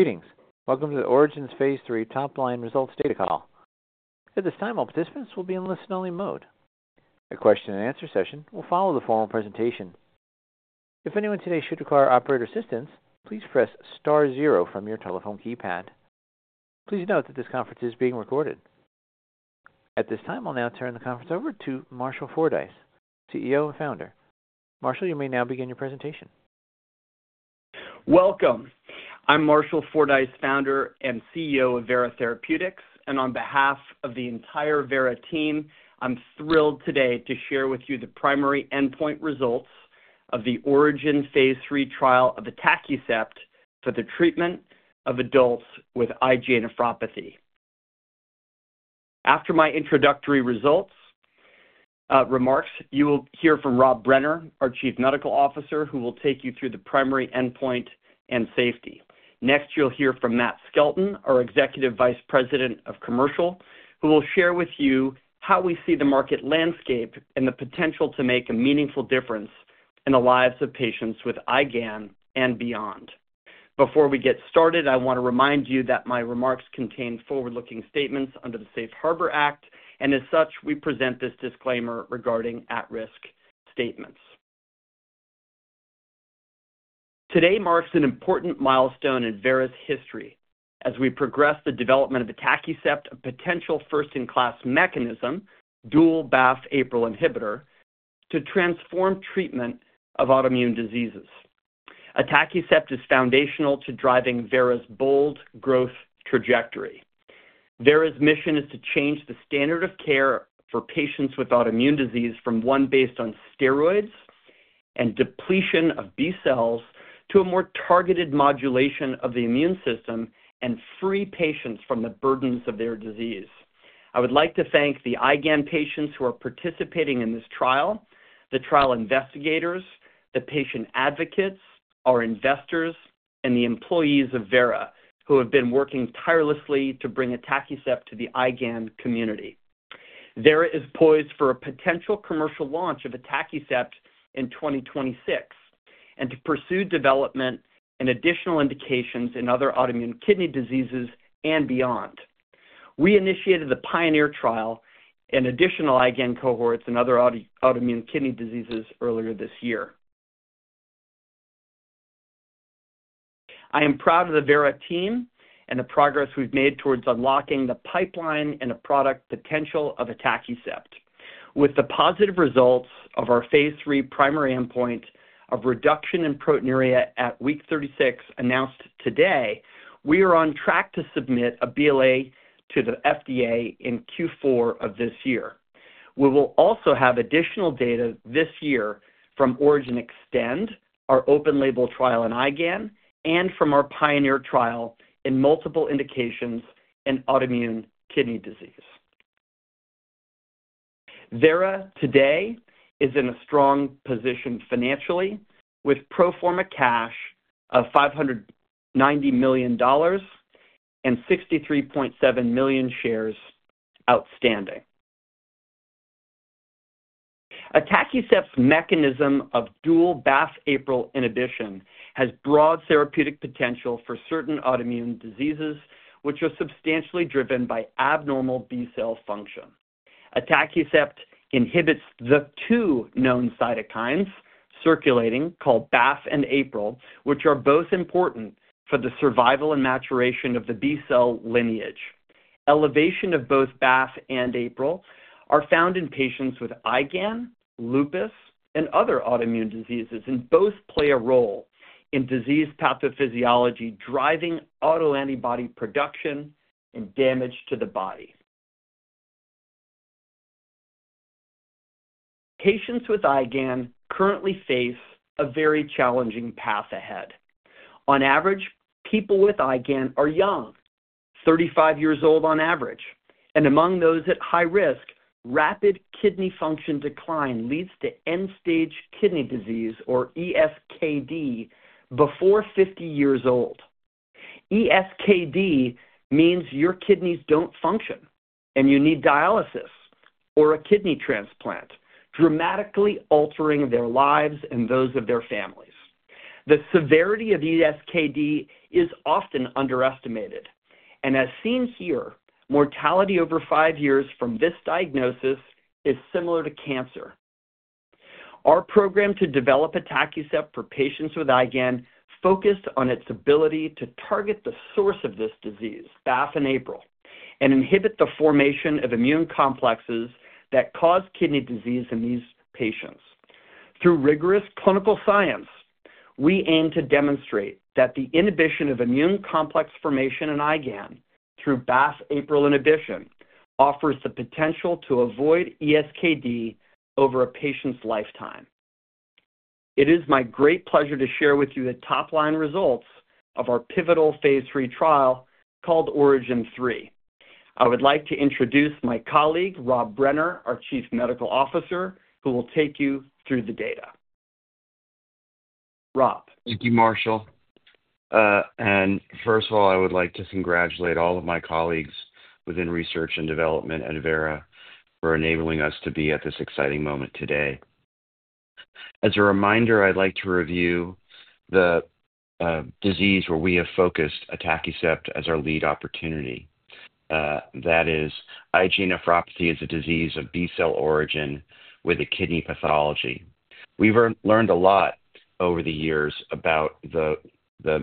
Greetings. Welcome to the ORIGIN phase III topline results data call. At this time, all participants will be in listen-only mode. A question-and-answer session will follow the formal presentation. If anyone today should require operator assistance, please press star zero from your telephone keypad. Please note that this conference is being recorded. At this time, I'll now turn the conference over to Marshall Fordyce, CEO and Founder. Marshall, you may now begin your presentation. Welcome. I'm Marshall Fordyce, Founder and CEO of Vera Therapeutics, and on behalf of the entire Vera team, I'm thrilled today to share with you the primary endpoint results of the ORIGIN phase III trial of atacicept for the treatment of adults with IgA nephropathy. After my introductory remarks, you will hear from Rob Brenner, our Chief Medical Officer, who will take you through the primary endpoint and safety. Next, you'll hear from Matt Skelton, our Executive Vice President of Commercial, who will share with you how we see the market landscape and the potential to make a meaningful difference in the lives of patients with IgAN and beyond. Before we get started, I want to remind you that my remarks contain forward-looking statements under the Safe Harbor Act, and as such, we present this disclaimer regarding at-risk statements. Today marks an important milestone in Vera's history as we progress the development of atacicept, a potential first-in-class mechanism, dual-BAFF/APRIL inhibitor, to transform treatment of autoimmune diseases. Atacicept is foundational to driving Vera's bold growth trajectory. Vera's mission is to change the standard of care for patients with autoimmune disease from one based on steroids and depletion of B cells to a more targeted modulation of the immune system and free patients from the burdens of their disease. I would like to thank the IgAN patients who are participating in this trial, the trial investigators, the patient advocates, our investors, and the employees of Vera who have been working tirelessly to bring atacicept to the IgAN community. Vera is poised for a potential commercial launch of atacicept in 2026 and to pursue development and additional indications in other autoimmune kidney diseases and beyond. We initiated the PIONEER trial and additional IgAN cohorts in other autoimmune kidney diseases earlier this year. I am proud of the Vera team and the progress we've made towards unlocking the pipeline and the product potential of atacicept. With the positive results of our phase III primary endpoint of reduction in proteinuria at week 36 announced today, we are on track to submit a BLA to the FDA in Q4 of this year. We will also have additional data this year from ORIGIN Extend, our open-label trial in IgAN, and from our PIONEER trial in multiple indications in autoimmune kidney disease. Vera today is in a strong position financially with pro forma cash of $590 million and 63.7 million shares outstanding. Atacicept's mechanism of dual-BAFF/APRIL inhibition has broad therapeutic potential for certain autoimmune diseases, which are substantially driven by abnormal B cell function. Atacicept inhibits the two known cytokines circulating called BAFF and APRIL, which are both important for the survival and maturation of the B cell lineage. Elevation of both BAFF and APRIL are found in patients with IgAN, lupus, and other autoimmune diseases, and both play a role in disease pathophysiology driving autoantibody production and damage to the body. Patients with IgAN currently face a very challenging path ahead. On average, people with IgAN are young, 35 years old on average, and among those at high risk, rapid kidney function decline leads to end-stage kidney disease, or ESKD, before 50 years old. ESKD means your kidneys do not function, and you need dialysis or a kidney transplant, dramatically altering their lives and those of their families. The severity of ESKD is often underestimated, and as seen here, mortality over five years from this diagnosis is similar to cancer. Our program to develop atacicept for patients with IgAN focused on its ability to target the source of this disease, BAFF and APRIL, and inhibit the formation of immune complexes that cause kidney disease in these patients. Through rigorous clinical science, we aim to demonstrate that the inhibition of immune complex formation in IgAN through BAFF-APRIL inhibition offers the potential to avoid ESKD over a patient's lifetime. It is my great pleasure to share with you the topline results of our pivotal phase III trial called ORIGIN phase III. I would like to introduce my colleague, Rob Brenner, our Chief Medical Officer, who will take you through the data. Rob. Thank you, Marshall. First of all, I would like to congratulate all of my colleagues within research and development at Vera for enabling us to be at this exciting moment today. As a reminder, I'd like to review the disease where we have focused atacicept as our lead opportunity. That is, IgA nephropathy is a disease of B cell origin with a kidney pathology. We've learned a lot over the years about the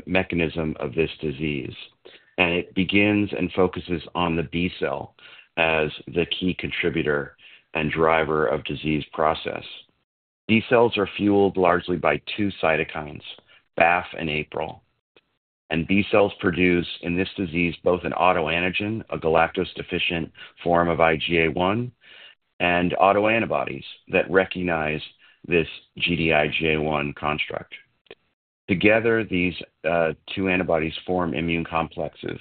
mechanism of this disease, and it begins and focuses on the B cell as the key contributor and driver of the disease process. B cells are fueled largely by two cytokines, BAFF and APRIL, and B cells produce in this disease both an autoantigen, a galactose-deficient form of IgA1, and autoantibodies that recognize this GD-IgA1 construct. Together, these two antibodies form immune complexes,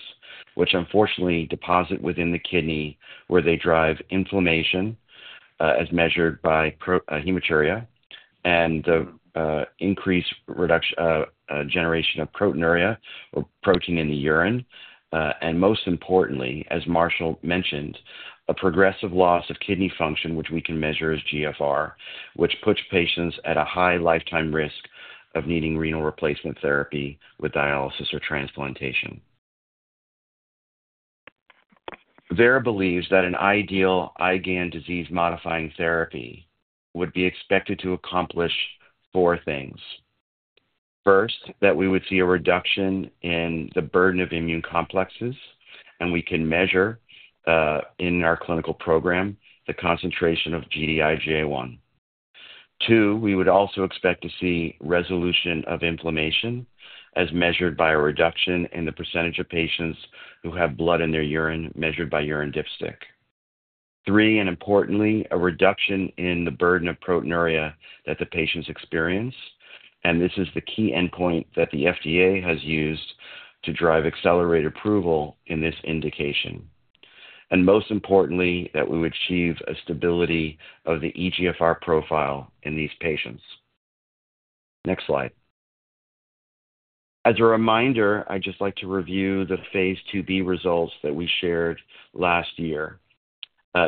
which unfortunately deposit within the kidney where they drive inflammation as measured by hematuria and increased generation of proteinuria or protein in the urine, and most importantly, as Marshall mentioned, a progressive loss of kidney function, which we can measure as GFR, which puts patients at a high lifetime risk of needing renal replacement therapy with dialysis or transplantation. Vera believes that an ideal IgAN disease-modifying therapy would be expected to accomplish four things. First, that we would see a reduction in the burden of immune complexes, and we can measure in our clinical program the concentration of GD-IgA1. Two, we would also expect to see resolution of inflammation as measured by a reduction in the percentage of patients who have blood in their urine measured by urine dipstick. Three, and importantly, a reduction in the burden of proteinuria that the patients experience, and this is the key endpoint that the FDA has used to drive accelerated approval in this indication. Most importantly, that we would achieve a stability of the eGFR profile in these patients. Next slide. As a reminder, I'd just like to review the phase II-B results that we shared last year.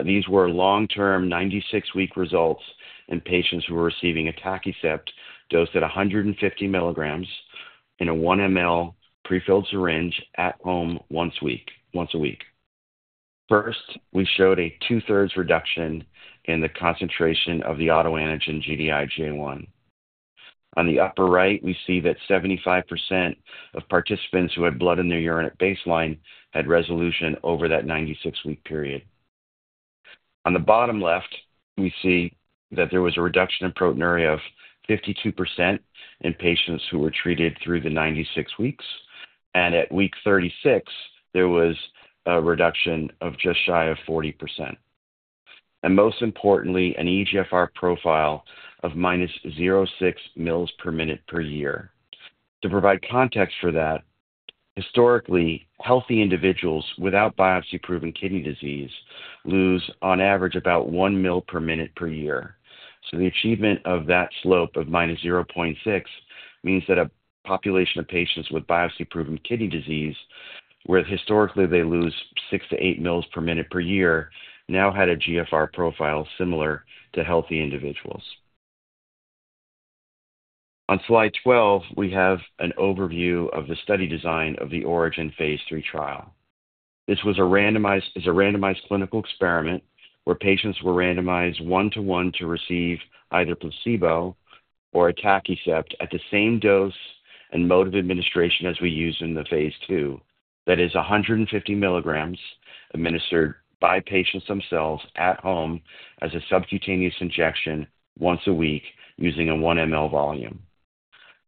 These were long-term 96-week results in patients who were receiving atacicept dosed at 150 milligrams in a one mL prefilled syringe at home once a week. First, we showed a two-thirds reduction in the concentration of the autoantigen GD-IgA1. On the upper right, we see that 75% of participants who had blood in their urine at baseline had resolution over that 96-week period. On the bottom left, we see that there was a reduction in proteinuria of 52% in patients who were treated through the 96 weeks, and at week 36, there was a reduction of just shy of 40%. Most importantly, an eGFR profile of minus 0.6 mL per minute per year. To provide context for that, historically, healthy individuals without biopsy-proven kidney disease lose on average about one mL per minute per year. The achievement of that slope of minus 0.6 means that a population of patients with biopsy-proven kidney disease where historically they lose six to eight mL per minute per year now had a GFR profile similar to healthy individuals. On slide 12, we have an overview of the study design of the ORIGIN phase III trial. This was a randomized clinical experiment where patients were randomized one-to-one to receive either placebo or atacicept at the same dose and mode of administration as we use in the phase II. That is 150 milligrams administered by patients themselves at home as a subcutaneous injection once a week using a one mL volume.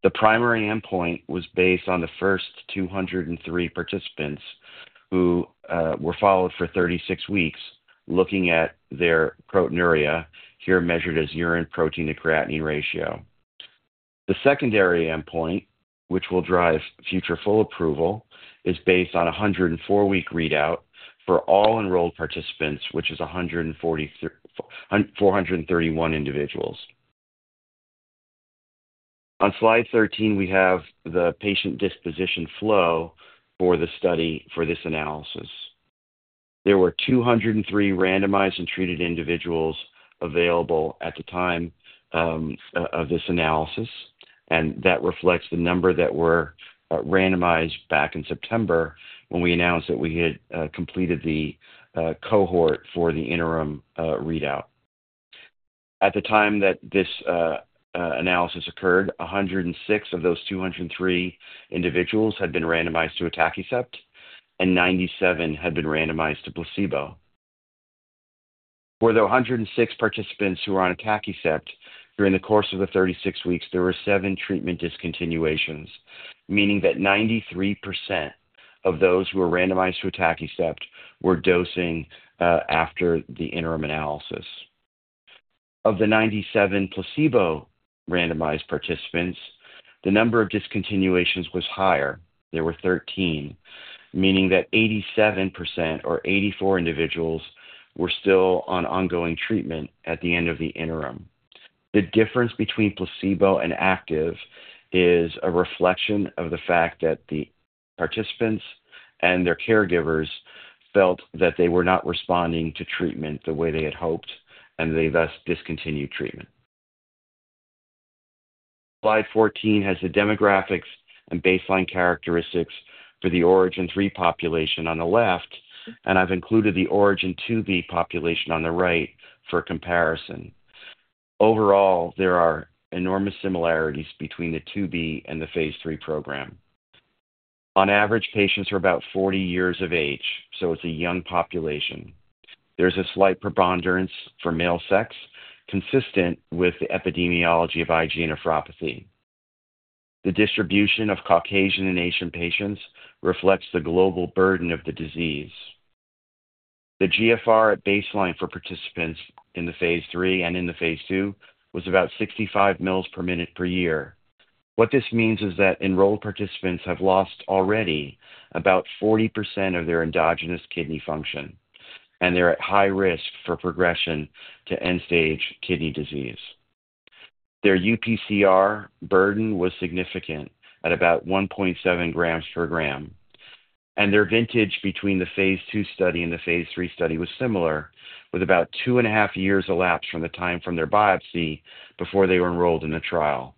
The primary endpoint was based on the first 203 participants who were followed for 36 weeks looking at their proteinuria here measured as urine protein-to-creatinine ratio. The secondary endpoint, which will drive future full approval, is based on a 104-week readout for all enrolled participants, which is 431 individuals. On slide 13, we have the patient disposition flow for this analysis. There were 203 randomized and treated individuals available at the time of this analysis, and that reflects the number that were randomized back in September when we announced that we had completed the cohort for the interim readout. At the time that this analysis occurred, 106 of those 203 individuals had been randomized to atacicept, and 97 had been randomized to placebo. For the 106 participants who were on atacicept, during the course of the 36 weeks, there were seven treatment discontinuations, meaning that 93% of those who were randomized to atacicept were dosing after the interim analysis. Of the 97 placebo randomized participants, the number of discontinuations was higher. There were 13, meaning that 87% or 84 individuals were still on ongoing treatment at the end of the interim. The difference between placebo and active is a reflection of the fact that the participants and their caregivers felt that they were not responding to treatment the way they had hoped, and they thus discontinued treatment. Slide 14 has the demographics and baseline characteristics for the ORIGIN phase III population on the left, and I've included the ORIGIN II-B population on the right for comparison. Overall, there are enormous similarities between the IIB and the phase III program. On average, patients are about 40 years of age, so it's a young population. There's a slight preponderance for male sex consistent with the epidemiology of IgA nephropathy. The distribution of Caucasian and Asian patients reflects the global burden of the disease. The eGFR at baseline for participants in the phase III and in the phase III was about 65 mL per minute per year. What this means is that enrolled participants have lost already about 40% of their endogenous kidney function, and they're at high risk for progression to end-stage kidney disease. Their UPCR burden was significant at about 1.7 grams per gram, and their vintage between the phase II study and the phase III study was similar, with about two and a half years elapsed from the time from their biopsy before they were enrolled in the trial.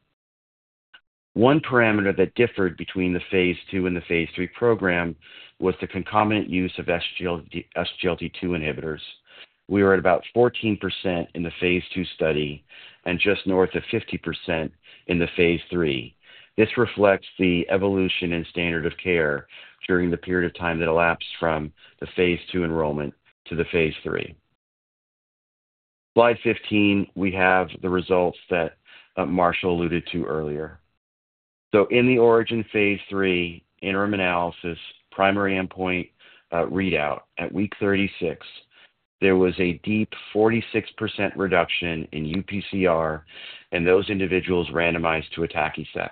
One parameter that differed between the phase II and the phase III program was the concomitant use of SGLT2 inhibitors. We were at about 14% in the phase II study and just north of 50% in the phase III. This reflects the evolution in standard of care during the period of time that elapsed from the phase II enrollment to the phase III. Slide 15, we have the results that Marshall alluded to earlier. In the ORIGIN phase III interim analysis, primary endpoint readout at week 36, there was a deep 46% reduction in UPCR in those individuals randomized to atacicept.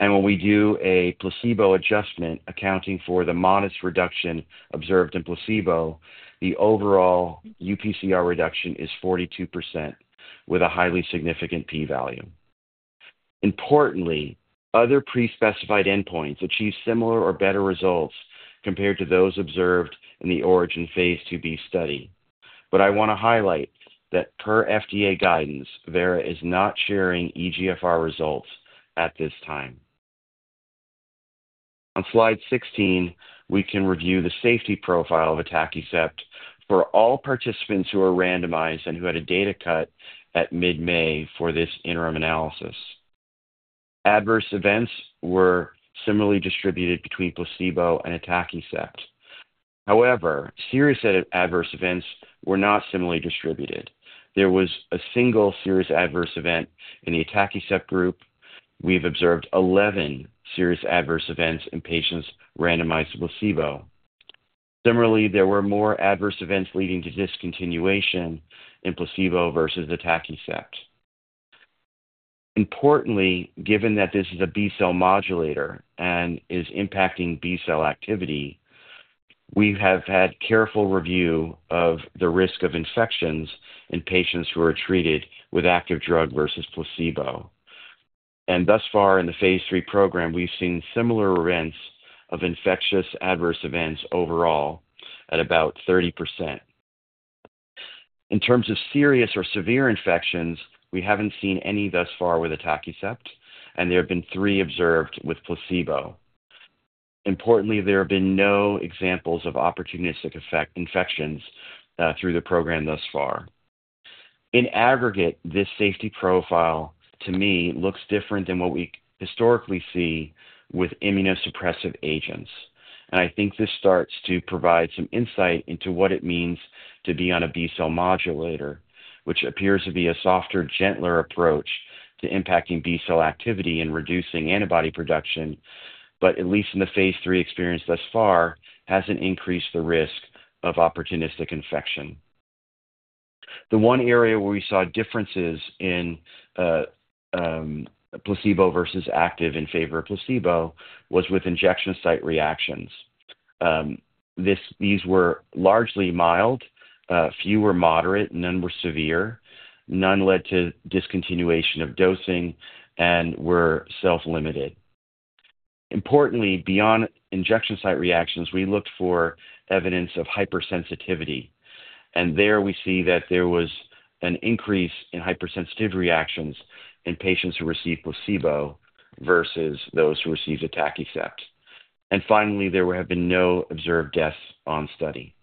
When we do a placebo adjustment accounting for the modest reduction observed in placebo, the overall UPCR reduction is 42% with a highly significant p-value. Importantly, other pre-specified endpoints achieve similar or better results compared to those observed in the ORIGIN phase II-B study. I want to highlight that per FDA guidance, Vera is not sharing eGFR results at this time. On slide 16, we can review the safety profile of atacicept for all participants who are randomized and who had a data cut at mid-May for this interim analysis. Adverse events were similarly distributed between placebo and atacicept. However, serious adverse events were not similarly distributed. There was a single serious adverse event in the atacicept group. We've observed 11 serious adverse events in patients randomized to placebo. Similarly, there were more adverse events leading to discontinuation in placebo versus atacicept. Importantly, given that this is a B cell modulator and is impacting B cell activity, we have had careful review of the risk of infections in patients who are treated with active drug versus placebo. Thus far, in the phase III program, we've seen similar events of infectious adverse events overall at about 30%. In terms of serious or severe infections, we haven't seen any thus far with atacicept, and there have been three observed with placebo. Importantly, there have been no examples of opportunistic infections through the program thus far. In aggregate, this safety profile, to me, looks different than what we historically see with immunosuppressive agents. I think this starts to provide some insight into what it means to be on a B cell modulator, which appears to be a softer, gentler approach to impacting B cell activity and reducing antibody production, but at least in the phase III experience thus far has not increased the risk of opportunistic infection. The one area where we saw differences in placebo versus active in favor of placebo was with injection site reactions. These were largely mild, few were moderate, none were severe, none led to discontinuation of dosing, and were self-limited. Importantly, beyond injection site reactions, we looked for evidence of hypersensitivity. There we see that there was an increase in hypersensitivity reactions in patients who received placebo versus those who received atacicept. Finally, there have been no observed deaths on study.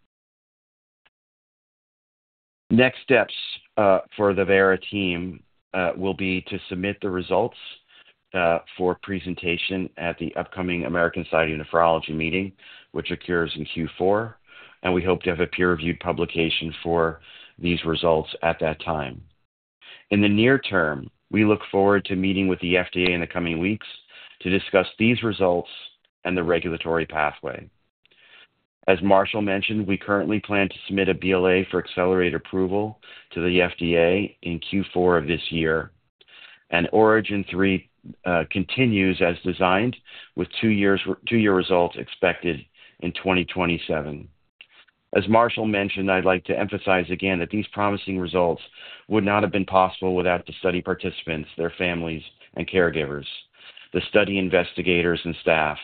Next steps for the Vera team will be to submit the results for presentation at the upcoming American Society of Nephrology meeting, which occurs in Q4, and we hope to have a peer-reviewed publication for these results at that time. In the near term, we look forward to meeting with the FDA in the coming weeks to discuss these results and the regulatory pathway. As Marshall mentioned, we currently plan to submit a BLA for accelerated approval to the FDA in Q4 of this year. Origin phase III continues as designed, with two-year results expected in 2027. As Marshall mentioned, I'd like to emphasize again that these promising results would not have been possible without the study participants, their families, and caregivers, the study investigators and staff,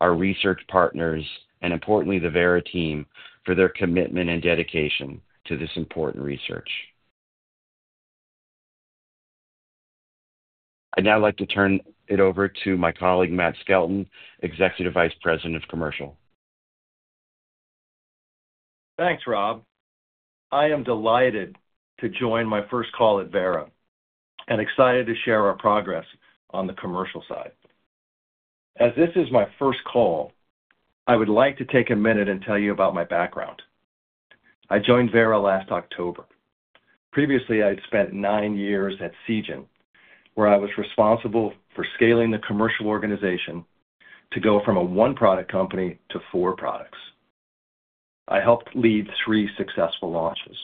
our research partners, and importantly, the Vera team for their commitment and dedication to this important research. I'd now like to turn it over to my colleague, Matt Skelton, Executive Vice President of Commercial. Thanks, Rob. I am delighted to join my first call at Vera and excited to share our progress on the commercial side. As this is my first call, I would like to take a minute and tell you about my background. I joined Vera last October. Previously, I had spent nine years at Amgen, where I was responsible for scaling the commercial organization to go from a one-product company to four products. I helped lead three successful launches.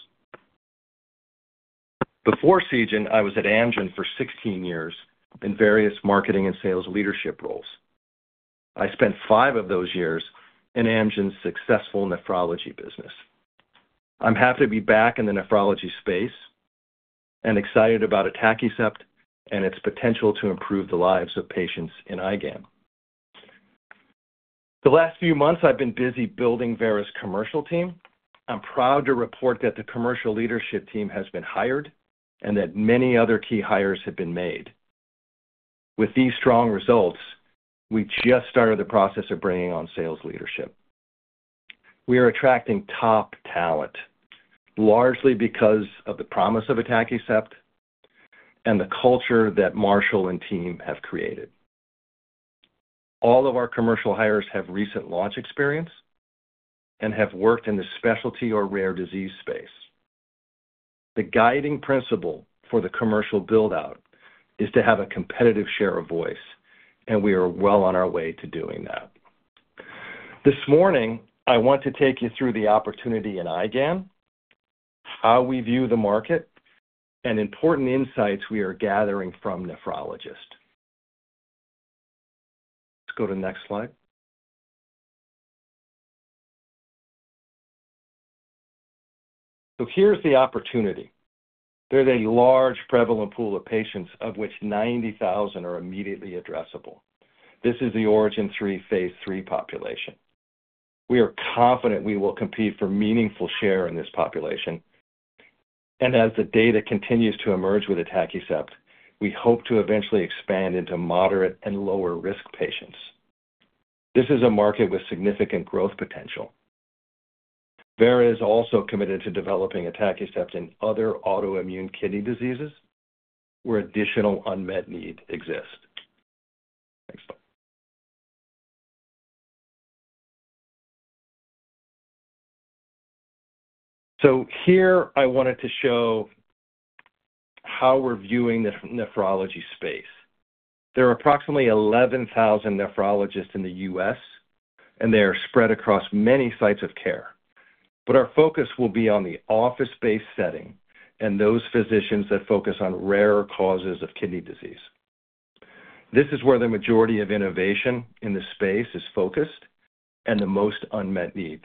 Before Amgen, I was at Amgen for 16 years in various marketing and sales leadership roles. I spent five of those years in Amgen's successful nephrology business. I'm happy to be back in the nephrology space and excited about atacicept and its potential to improve the lives of patients in IgAN. The last few months, I've been busy building Vera's commercial team. I'm proud to report that the commercial leadership team has been hired and that many other key hires have been made. With these strong results, we just started the process of bringing on sales leadership. We are attracting top talent, largely because of the promise of atacicept and the culture that Marshall and team have created. All of our commercial hires have recent launch experience and have worked in the specialty or rare disease space. The guiding principle for the commercial build-out is to have a competitive share of voice, and we are well on our way to doing that. This morning, I want to take you through the opportunity in IgAN how we view the market, and important insights we are gathering from nephrologists. Let's go to the next slide. Here is the opportunity. There's a large prevalent pool of patients, of which 90,000 are immediately addressable. This is the ORIGIN phase III population. We are confident we will compete for a meaningful share in this population. As the data continues to emerge with atacicept, we hope to eventually expand into moderate and lower-risk patients. This is a market with significant growth potential. Vera is also committed to developing atacicept in other autoimmune kidney diseases where additional unmet needs exist. Next slide. Here, I wanted to show how we're viewing the nephrology space. There are approximately 11,000 nephrologists in the U.S., and they are spread across many sites of care. Our focus will be on the office-based setting and those physicians that focus on rare causes of kidney disease. This is where the majority of innovation in the space is focused and the most unmet need.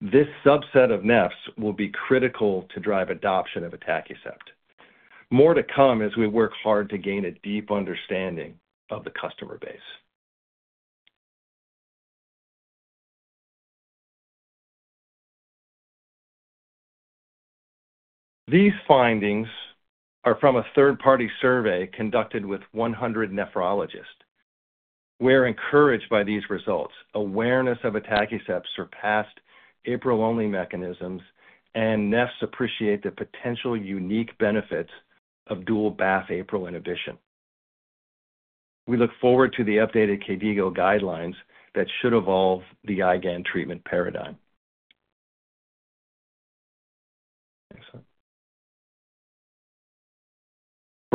This subset of nephs will be critical to drive adoption of atacicept. More to come as we work hard to gain a deep understanding of the customer base. These findings are from a third-party survey conducted with 100 nephrologists. We're encouraged by these results. Awareness of atacicept surpassed APRIL-only mechanisms, and nephs appreciate the potential unique benefits of dual-BAFF/APRIL inhibition. We look forward to the updated KDIGO guidelines that should evolve the IgAN treatment paradigm.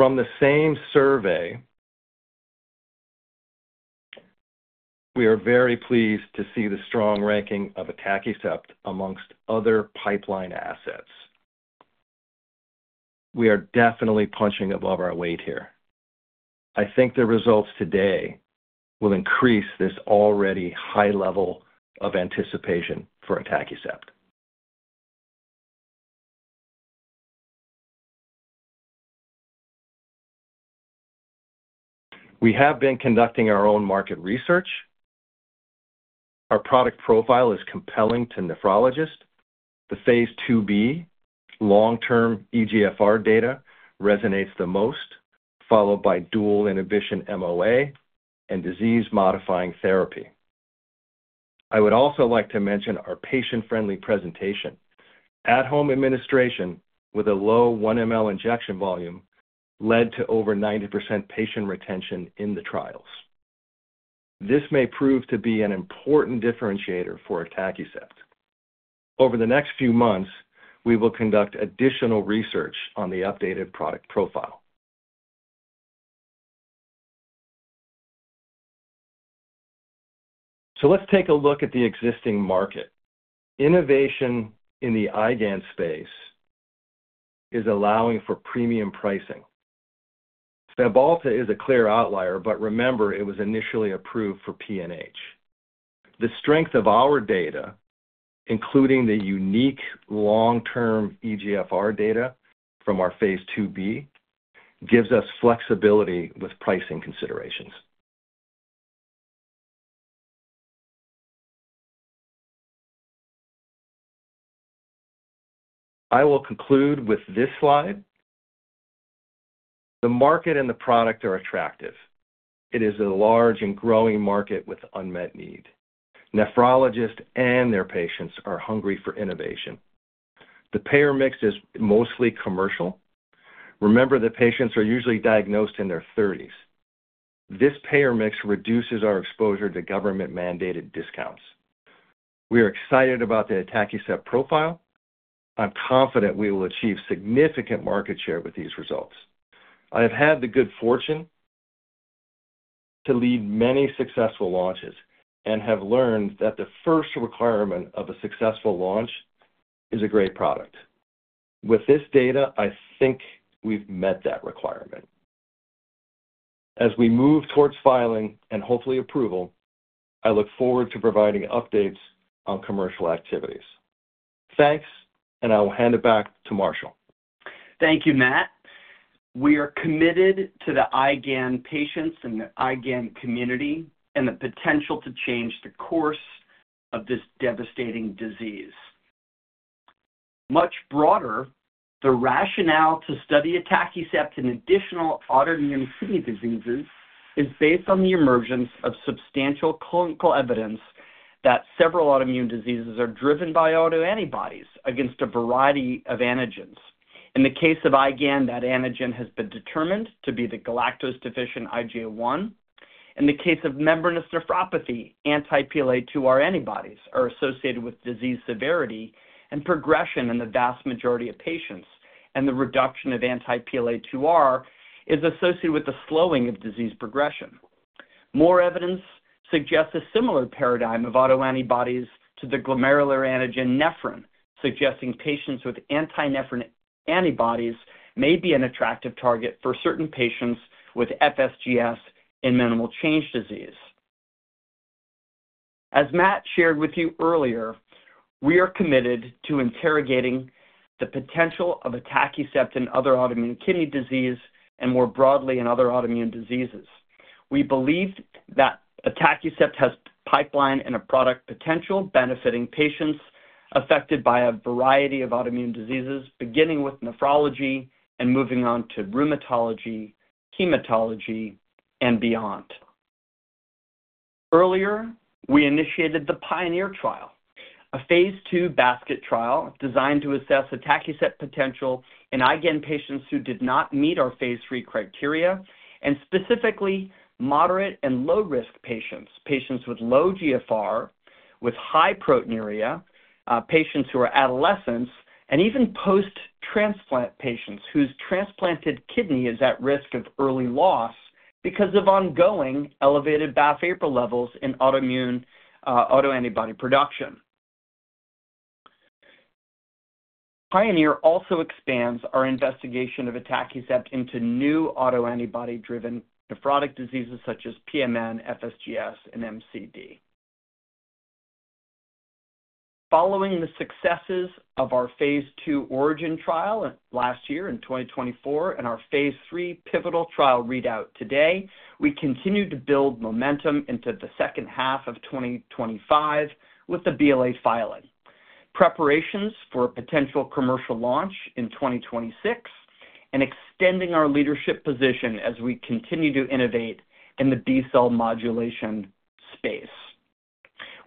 Next slide. From the same survey, we are very pleased to see the strong ranking of atacicept amongst other pipeline assets. We are definitely punching above our weight here. I think the results today will increase this already high level of anticipation for atacicept. We have been conducting our own market research. Our product profile is compelling to nephrologists. The phase II-B long-term eGFR data resonates the most, followed by dual inhibition MOA and disease-modifying therapy. I would also like to mention our patient-friendly presentation. At-home administration with a low one mL injection volume led to over 90% patient retention in the trials. This may prove to be an important differentiator for atacicept. Over the next few months, we will conduct additional research on the updated product profile. Let's take a look at the existing market. Innovation in the IgAN space is allowing for premium pricing. Cymbalta is a clear outlier, but remember, it was initially approved for PNH. The strength of our data, including the unique long-term eGFR data from our phase II-B, gives us flexibility with pricing considerations. I will conclude with this slide. The market and the product are attractive. It is a large and growing market with unmet need. Nephrologists and their patients are hungry for innovation. The payer mix is mostly commercial. Remember, the patients are usually diagnosed in their 30s. This payer mix reduces our exposure to government-mandated discounts. We are excited about the atacicept profile. I'm confident we will achieve significant market share with these results. I have had the good fortune to lead many successful launches and have learned that the first requirement of a successful launch is a great product. With this data, I think we've met that requirement. As we move towards filing and hopefully approval, I look forward to providing updates on commercial activities. Thanks, and I will hand it back to Marshall. Thank you, Matt. We are committed to the IgAN patients and the IgAN community and the potential to change the course of this devastating disease. Much broader, the rationale to study atacicept in additional autoimmune kidney diseases is based on the emergence of substantial clinical evidence that several autoimmune diseases are driven by autoantibodies against a variety of antigens. In the case of IgA nephropathy, that antigen has been determined to be the galactose-deficient IgA1. In the case of membranous nephropathy, anti-PLA2R antibodies are associated with disease severity and progression in the vast majority of patients, and the reduction of anti-PLA2R is associated with the slowing of disease progression. More evidence suggests a similar paradigm of autoantibodies to the glomerular antigen nephrin, suggesting patients with anti-nephrin antibodies may be an attractive target for certain patients with FSGS and minimal change disease. As Matt shared with you earlier, we are committed to interrogating the potential of atacicept in other autoimmune kidney disease and more broadly in other autoimmune diseases. We believe that atacicept has pipeline and product potential benefiting patients affected by a variety of autoimmune diseases, beginning with nephrology and moving on to rheumatology, hematology, and beyond. Earlier, we initiated the PIONEER trial, a phase II basket trial designed to assess atacicept potential in IgAN patients who did not meet our phase III criteria and specifically moderate and low-risk patients, patients with low eGFR, with high proteinuria, patients who are adolescents, and even post-transplant patients whose transplanted kidney is at risk of early loss because of ongoing elevated BAFF-APRIL levels in autoimmune autoantibody production. PIONEER also expands our investigation of atacicept into new autoantibody-driven nephrotic diseases such as PMN, FSGS, and MCD. Following the successes of our phase II ORIGIN trial last year in 2024 and our phase III pivotal trial readout today, we continue to build momentum into the second half of 2025 with the BLA filing, preparations for a potential commercial launch in 2026, and extending our leadership position as we continue to innovate in the B-cell modulation space.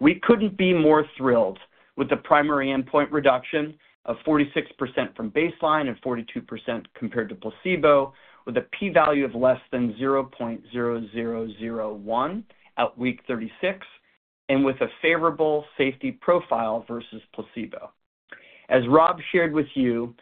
We could not be more thrilled with the primary endpoint reduction of 46% from baseline and 42% compared to placebo, with a p-value of less than 0.0001 at week 36, and with a favorable safety profile versus placebo. As Rob shared with you,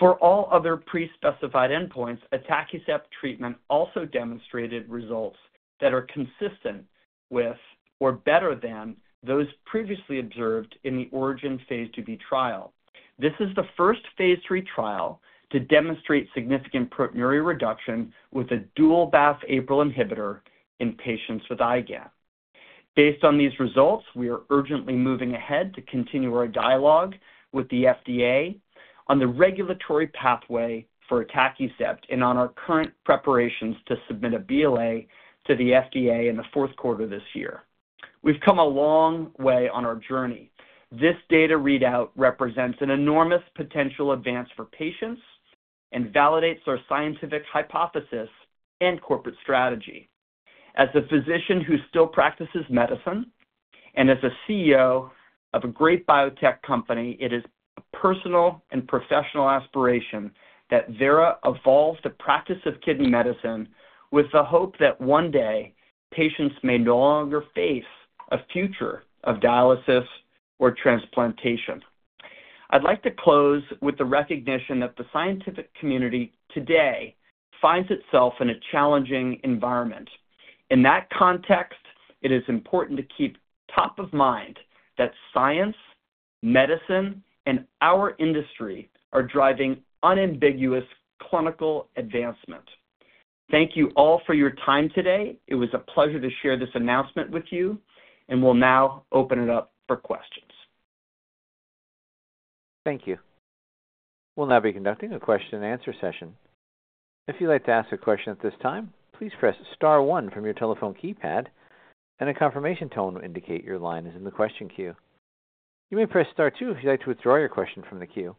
for all other pre-specified endpoints, atacicept treatment also demonstrated results that are consistent with or better than those previously observed in the ORIGIN phase II-B trial. This is the first phase III trial to demonstrate significant proteinuria reduction with a dual-BAFF/APRIL inhibitor in patients with IgAN. Based on these results, we are urgently moving ahead to continue our dialogue with the FDA on the regulatory pathway for atacicept and on our current preparations to submit a BLA to the FDA in the fourth quarter of this year. We've come a long way on our journey. This data readout represents an enormous potential advance for patients and validates our scientific hypothesis and corporate strategy. As a physician who still practices medicine and as a CEO of a great biotech company, it is a personal and professional aspiration that Vera evolves the practice of kidney medicine with the hope that one day patients may no longer face a future of dialysis or transplantation. I'd like to close with the recognition that the scientific community today finds itself in a challenging environment. In that context, it is important to keep top of mind that science, medicine, and our industry are driving unambiguous clinical advancement. Thank you all for your time today. It was a pleasure to share this announcement with you, and we'll now open it up for questions. Thank you. We'll now be conducting a question-and-answer session. If you'd like to ask a question at this time, please press star one from your telephone keypad, and a confirmation tone will indicate your line is in the question queue. You may press star two if you'd like to withdraw your question from the queue.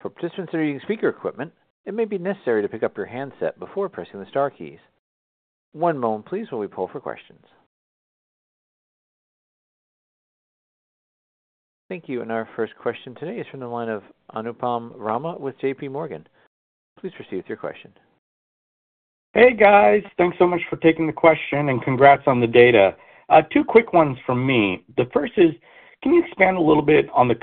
For participants that are using speaker equipment, it may be necessary to pick up your handset before pressing the star keys. One moment, please, while we pull for questions. Thank you. Our first question today is from the line of Anupam Rama with JPMorgan. Please proceed with your question. Hey, guys. Thanks so much for taking the question and congrats on the data. Two quick ones from me. The first is, can you expand a little bit on the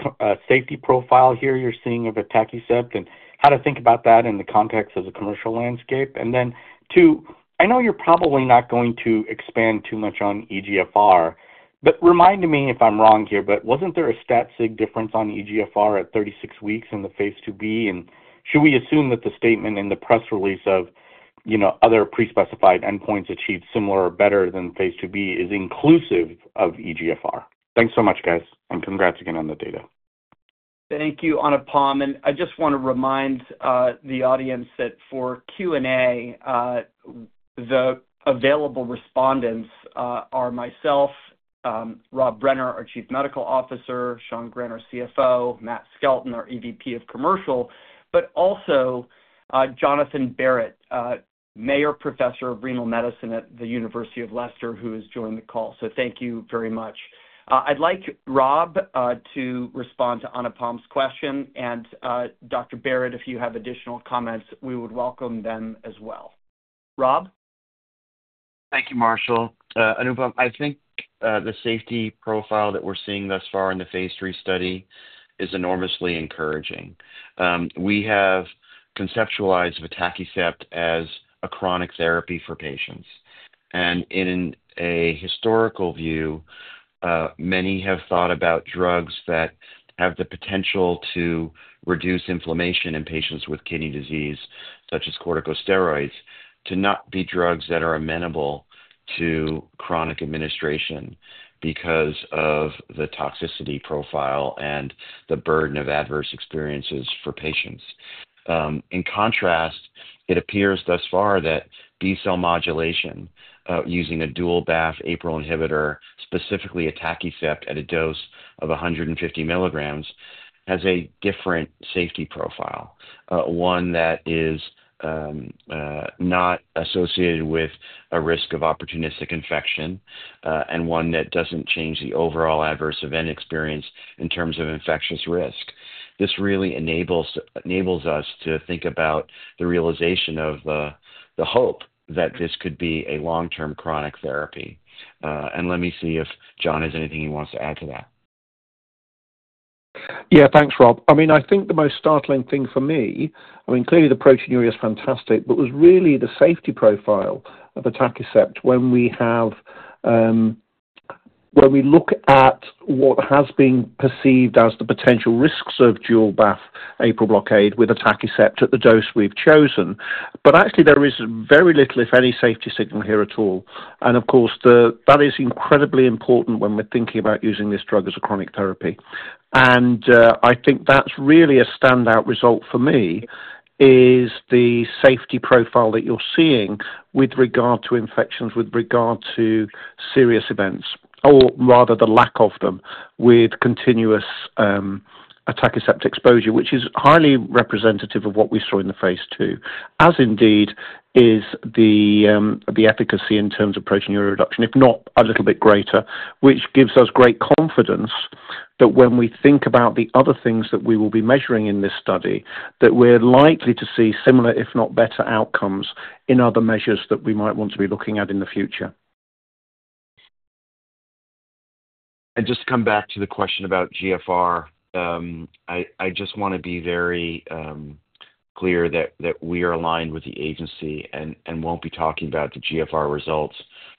safety profile here you're seeing of atacicept and how to think about that in the context of the commercial landscape? And then two, I know you're probably not going to expand too much on eGFR, but remind me if I'm wrong here, but wasn't there a stat-sig difference on eGFR at 36 weeks in the phase II-B? And should we assume that the statement in the press release of other pre-specified endpoints achieved similar or better than phase II-B is inclusive of eGFR? Thanks so much, guys, and congrats again on the data. Thank you, Anupam. I just want to remind the audience that for Q&A, the available respondents are myself, Rob Brenner, our Chief Medical Officer, Sean Grant, CFO, Matt Skelton, our EVP of Commercial, but also Jonathan Barratt, Mayor Professor of Renal Medicine at the University of Leicester, who has joined the call. Thank you very much. I'd like Rob to respond to Anupam's question, and Dr. Barratt, if you have additional comments, we would welcome them as well. Rob? Thank you, Marshall. Anupam, I think the safety profile that we're seeing thus far in the phase III study is enormously encouraging. We have conceptualized atacicept as a chronic therapy for patients. In a historical view, many have thought about drugs that have the potential to reduce inflammation in patients with kidney disease, such as corticosteroids, to not be drugs that are amenable to chronic administration because of the toxicity profile and the burden of adverse experiences for patients. In contrast, it appears thus far that B-cell modulation using a dual-BAFF/APRIL inhibitor, specifically atacicept at a dose of 150 milligrams, has a different safety profile, one that is not associated with a risk of opportunistic infection and one that does not change the overall adverse event experience in terms of infectious risk. This really enables us to think about the realization of the hope that this could be a long-term chronic therapy. Let me see if John has anything he wants to add to that. Yeah, thanks, Rob. I mean, I think the most startling thing for me, I mean, clearly the proteinuria is fantastic, but it was really the safety profile of atacicept when we look at what has been perceived as the potential risks of dual-BAFF/APRIL blockade with atacicept at the dose we've chosen. Actually, there is very little, if any, safety signal here at all. Of course, that is incredibly important when we're thinking about using this drug as a chronic therapy. I think that's really a standout result for me is the safety profile that you're seeing with regard to infections, with regard to serious events, or rather the lack of them with continuous atacicept exposure, which is highly representative of what we saw in the phase II, as indeed is the efficacy in terms of proteinuria reduction, if not a little bit greater, which gives us great confidence that when we think about the other things that we will be measuring in this study, that we're likely to see similar, if not better outcomes in other measures that we might want to be looking at in the future. Just to come back to the question about GFR, I just want to be very clear that we are aligned with the agency and won't be talking about the GFR results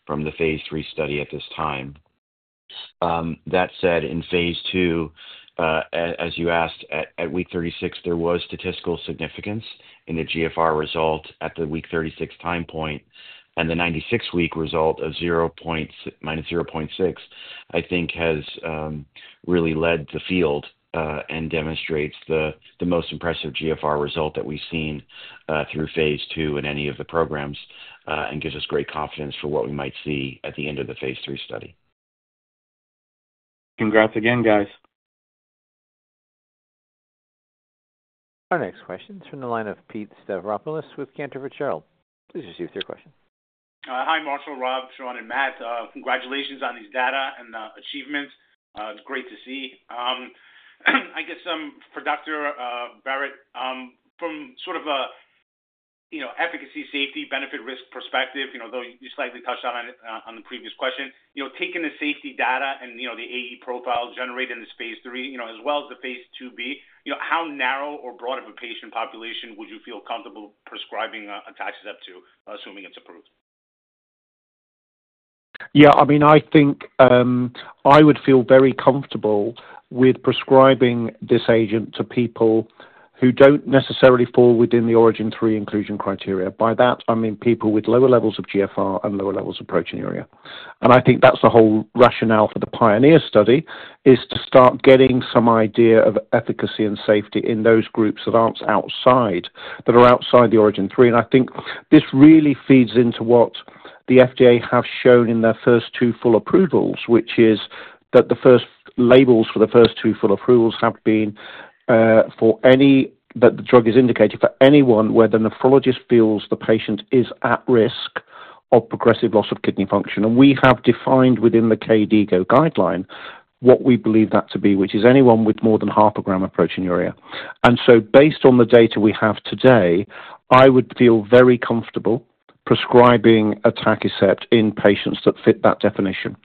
from the phase III study at this time. That said, in phase II, as you asked, at week 36, there was statistical significance in the GFR result at the week 36 time point, and the 96-week result of -0.6, I think, has really led the field and demonstrates the most impressive GFR result that we've seen through phase II in any of the programs and gives us great confidence for what we might see at the end of the phase III study. Congrats again, guys. Our next question is from the line of Pete Stavropoulos with Cantor Fitzgerald. Please proceed with your question. Hi, Marshall, Rob, Sean, and Matt. Congratulations on these data and achievements. It's great to see. I guess for Dr. Barratt, from sort of an efficacy, safety, benefit, risk perspective, though you slightly touched on it on the previous question, taking the safety data and the AE profiles generated in this phase III, as well as the phase II-B, how narrow or broad of a patient population would you feel comfortable prescribing atacicept to, assuming it's approved? Yeah. I mean, I think I would feel very comfortable with prescribing this agent to people who don't necessarily fall within the ORIGIN phase III inclusion criteria. By that, I mean people with lower levels of eGFR and lower levels of proteinuria. I think that's the whole rationale for the PIONEER study, is to start getting some idea of efficacy and safety in those groups that are outside the ORIGIN phase III. I think this really feeds into what the FDA has shown in their first two full approvals, which is that the first labels for the first two full approvals have been for any that the drug is indicated for anyone where the nephrologist feels the patient is at risk of progressive loss of kidney function. We have defined within the KDIGO guideline what we believe that to be, which is anyone with more than half a gram of proteinuria. Based on the data we have today, I would feel very comfortable prescribing atacicept in patients that fit that definition.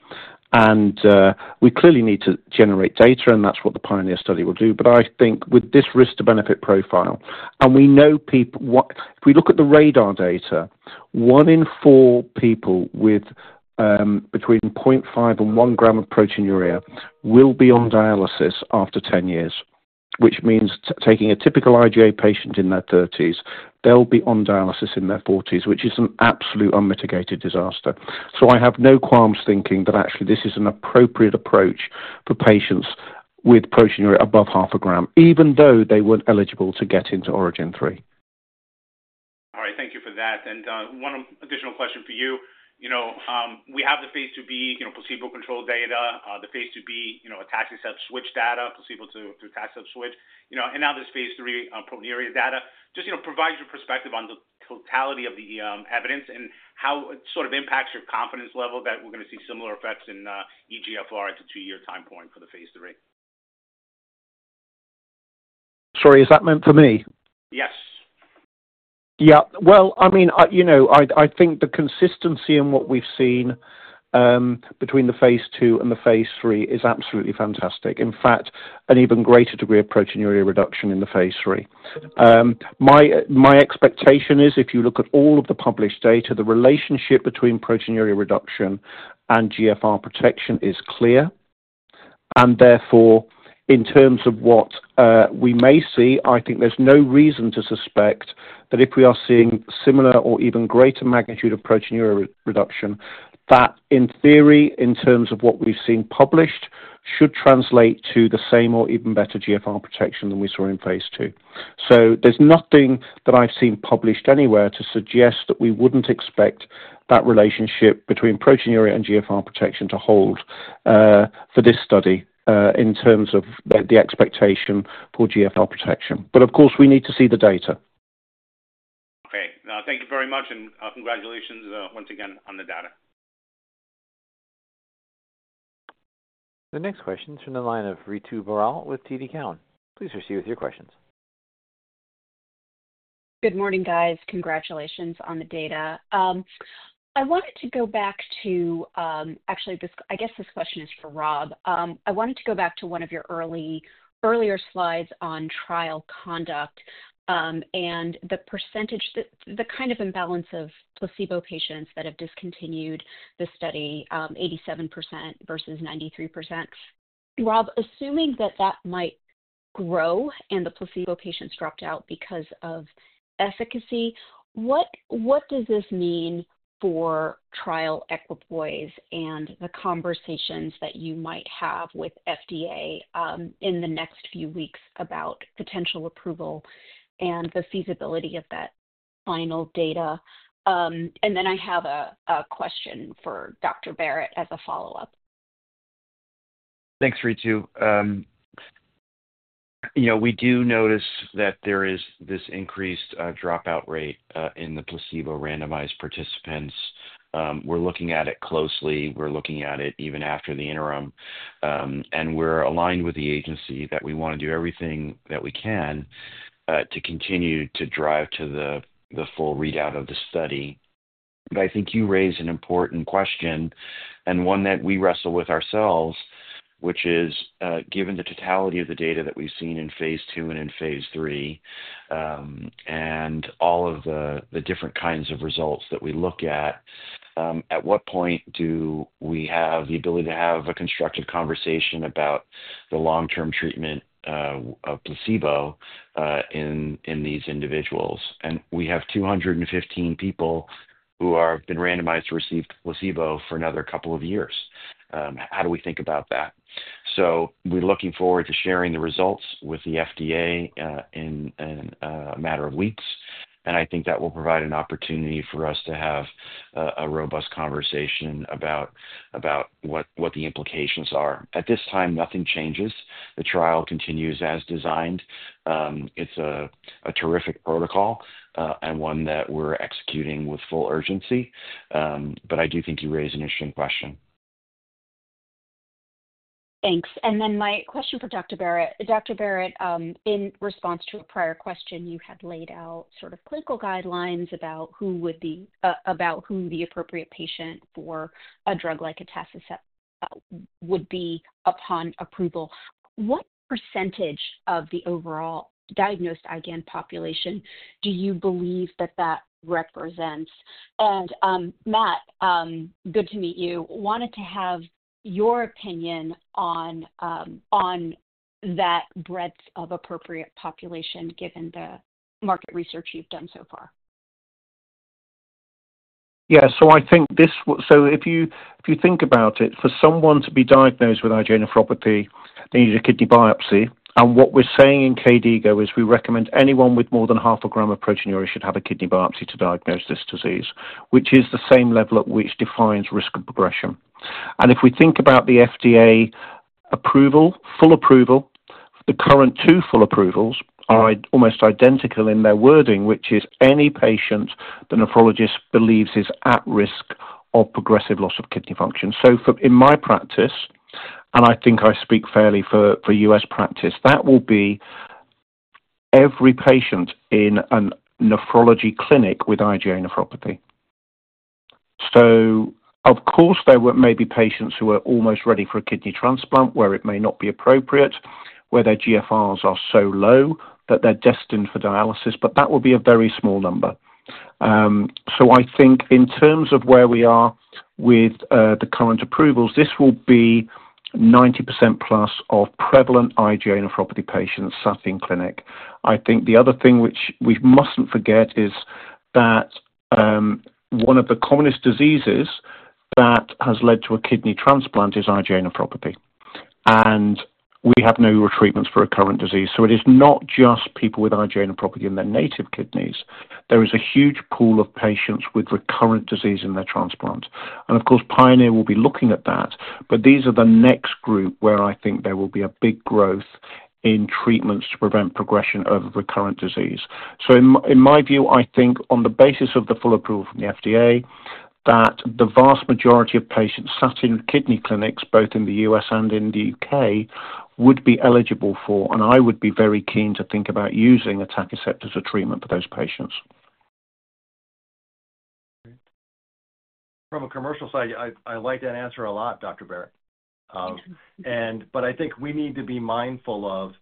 We clearly need to generate data, and that's what the PIONEER study will do. I think with this risk-to-benefit profile, and we know people, if we look at the radar data, one in four people with between 0.5 and one gram of proteinuria will be on dialysis after 10 years, which means taking a typical IgA patient in their 30s, they'll be on dialysis in their 40s, which is an absolute unmitigated disaster. I have no qualms thinking that actually this is an appropriate approach for patients with proteinuria above half a gram, even though they weren't eligible to get into ORIGIN phase III. All right. Thank you for that. One additional question for you. We have the phase II-B placebo-controlled data, the phase II-B atacicept switch data, placebo-to-atacicept switch, and now this phase III proteinuria data. Just provide your perspective on the totality of the evidence and how it sort of impacts your confidence level that we're going to see similar effects in eGFR at the two-year time point for the phase III. Sorry, is that meant for me? Yes. Yeah. I mean, I think the consistency in what we've seen between the phase II and the phase III is absolutely fantastic. In fact, an even greater degree of proteinuria reduction in the phase III. My expectation is, if you look at all of the published data, the relationship between proteinuria reduction and GFR protection is clear. Therefore, in terms of what we may see, I think there's no reason to suspect that if we are seeing similar or even greater magnitude of proteinuria reduction, that in theory, in terms of what we've seen published, should translate to the same or even better GFR protection than we saw in phase II. There's nothing that I've seen published anywhere to suggest that we wouldn't expect that relationship between proteinuria and GFR protection to hold for this study in terms of the expectation for GFR protection. Of course, we need to see the data. Okay. Thank you very much, and congratulations once again on the data. The next question is from the line of Ritu Barral with TD Cowen. Please proceed with your questions. Good morning, guys. Congratulations on the data. I wanted to go back to, actually, I guess this question is for Rob. I wanted to go back to one of your earlier slides on trial conduct and the percentage, the kind of imbalance of placebo patients that have discontinued the study, 87% versus 93%. Rob, assuming that that might grow and the placebo patients dropped out because of efficacy, what does this mean for trial equipoise and the conversations that you might have with FDA in the next few weeks about potential approval and the feasibility of that final data? I have a question for Dr. Barratt as a follow-up. Thanks, Ritu. We do notice that there is this increased dropout rate in the placebo-randomized participants. We're looking at it closely. We're looking at it even after the interim. We're aligned with the agency that we want to do everything that we can to continue to drive to the full readout of the study. I think you raise an important question and one that we wrestle with ourselves, which is, given the totality of the data that we've seen in phase II and in phase III and all of the different kinds of results that we look at, at what point do we have the ability to have a constructive conversation about the long-term treatment of placebo in these individuals? We have 215 people who have been randomized to receive placebo for another couple of years. How do we think about that? We are looking forward to sharing the results with the FDA in a matter of weeks. I think that will provide an opportunity for us to have a robust conversation about what the implications are. At this time, nothing changes. The trial continues as designed. It's a terrific protocol and one that we're executing with full urgency. I do think you raised an interesting question. Thanks. My question for Dr. Barratt, Dr. Barratt, in response to a prior question, you had laid out sort of clinical guidelines about who would be, about who the appropriate patient for a drug like atacicept would be upon approval. What percentage of the overall diagnosed IgAN population do you believe that that represents? Matt, good to meet you. Wanted to have your opinion on that breadth of appropriate population given the market research you've done so far. Yeah. I think this was, so if you think about it, for someone to be diagnosed with IgA nephropathy, they need a kidney biopsy. What we're saying in KDIGO is we recommend anyone with more than half a gram of proteinuria should have a kidney biopsy to diagnose this disease, which is the same level at which defines risk of progression. If we think about the FDA approval, full approval, the current two full approvals are almost identical in their wording, which is any patient the nephrologist believes is at risk of progressive loss of kidney function. In my practice, and I think I speak fairly for U.S. practice, that will be every patient in a nephrology clinic with IgA nephropathy. Of course, there may be patients who are almost ready for a kidney transplant where it may not be appropriate, where their GFRs are so low that they're destined for dialysis, but that will be a very small number. I think in terms of where we are with the current approvals, this will be 90%+ of prevalent IgA nephropathy patients sat in clinic. I think the other thing which we mustn't forget is that one of the commonest diseases that has led to a kidney transplant is IgA nephropathy. We have no retreatments for recurrent disease. It is not just people with IgA nephropathy in their native kidneys. There is a huge pool of patients with recurrent disease in their transplant. Of course, PIONEER will be looking at that. These are the next group where I think there will be a big growth in treatments to prevent progression of recurrent disease. In my view, I think on the basis of the full approval from the FDA, that the vast majority of patients sat in kidney clinics, both in the U.S. and in the U.K., would be eligible for, and I would be very keen to think about using atacicept as a treatment for those patients. From a commercial side, I like that answer a lot, Dr. Barratt. I think we need to be mindful of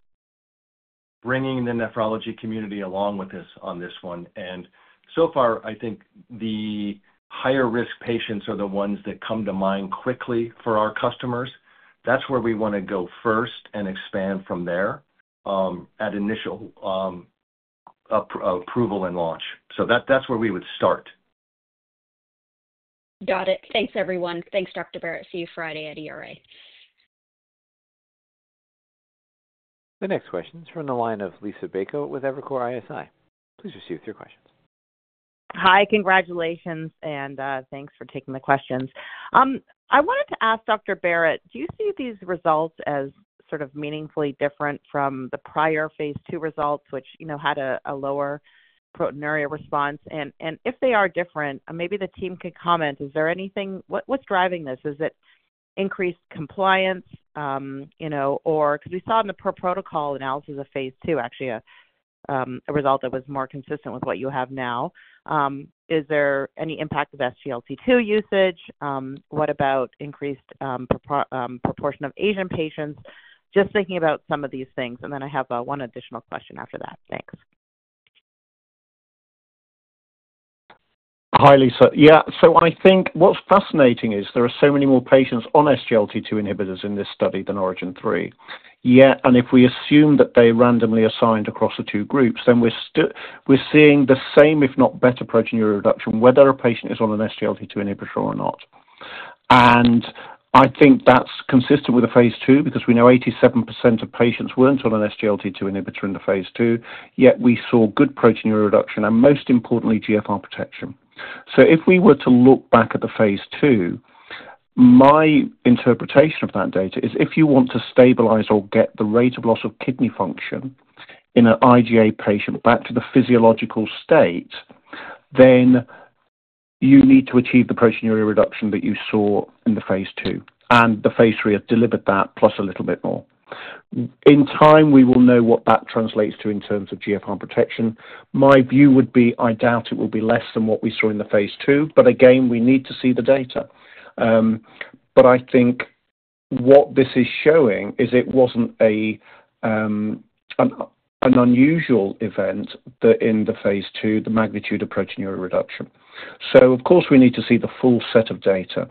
bringing the nephrology community along with this on this one. So far, I think the higher-risk patients are the ones that come to mind quickly for our customers. That's where we want to go first and expand from there at initial approval and launch. That's where we would start. Got it. Thanks, everyone. Thanks, Dr. Barratt. See you Friday at ERA. The next question is from the line of Lisa Bacow with Evercore ISI. Please proceed with your questions. Hi. Congratulations, and thanks for taking the questions. I wanted to ask, Dr. Barratt, do you see these results as sort of meaningfully different from the prior phase II results, which had a lower proteinuria response? If they are different, maybe the team could comment. Is there anything what's driving this? Is it increased compliance? Because we saw in the per protocol analysis of phase II, actually a result that was more consistent with what you have now. Is there any impact of SGLT2 usage? What about increased proportion of Asian patients? Just thinking about some of these things. I have one additional question after that. Thanks. Hi, Lisa. Yeah. I think what's fascinating is there are so many more patients on SGLT2 inhibitors in this study than ORIGIN phase III. Yeah. If we assume that they randomly assigned across the two groups, then we're seeing the same, if not better, proteinuria reduction, whether a patient is on an SGLT2 inhibitor or not. I think that's consistent with the phase II because we know 87% of patients weren't on an SGLT2 inhibitor in the phase II, yet we saw good proteinuria reduction and, most importantly, GFR protection. If we were to look back at the phase II, my interpretation of that data is if you want to stabilize or get the rate of loss of kidney function in an IgA patient back to the physiological state, then you need to achieve the proteinuria reduction that you saw in the phase II. The phase III have delivered that plus a little bit more. In time, we will know what that translates to in terms of GFR protection. My view would be I doubt it will be less than what we saw in the phase II, but again, we need to see the data. I think what this is showing is it was not an unusual event in the phase II, the magnitude of proteinuria reduction. Of course, we need to see the full set of data.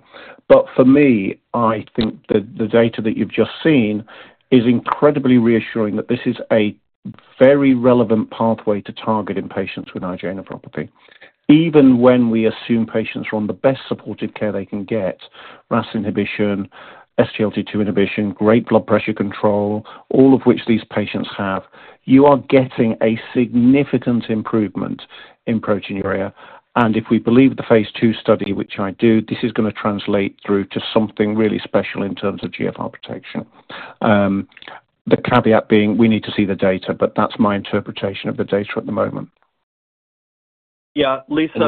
For me, I think the data that you have just seen is incredibly reassuring that this is a very relevant pathway to target in patients with IgA nephropathy. Even when we assume patients are on the best supportive care they can get, RAS inhibition, SGLT2 inhibition, great blood pressure control, all of which these patients have, you are getting a significant improvement in proteinuria. If we believe the phase II study, which I do, this is going to translate through to something really special in terms of GFR protection. The caveat being, we need to see the data, but that's my interpretation of the data at the moment. Yeah. Lisa, I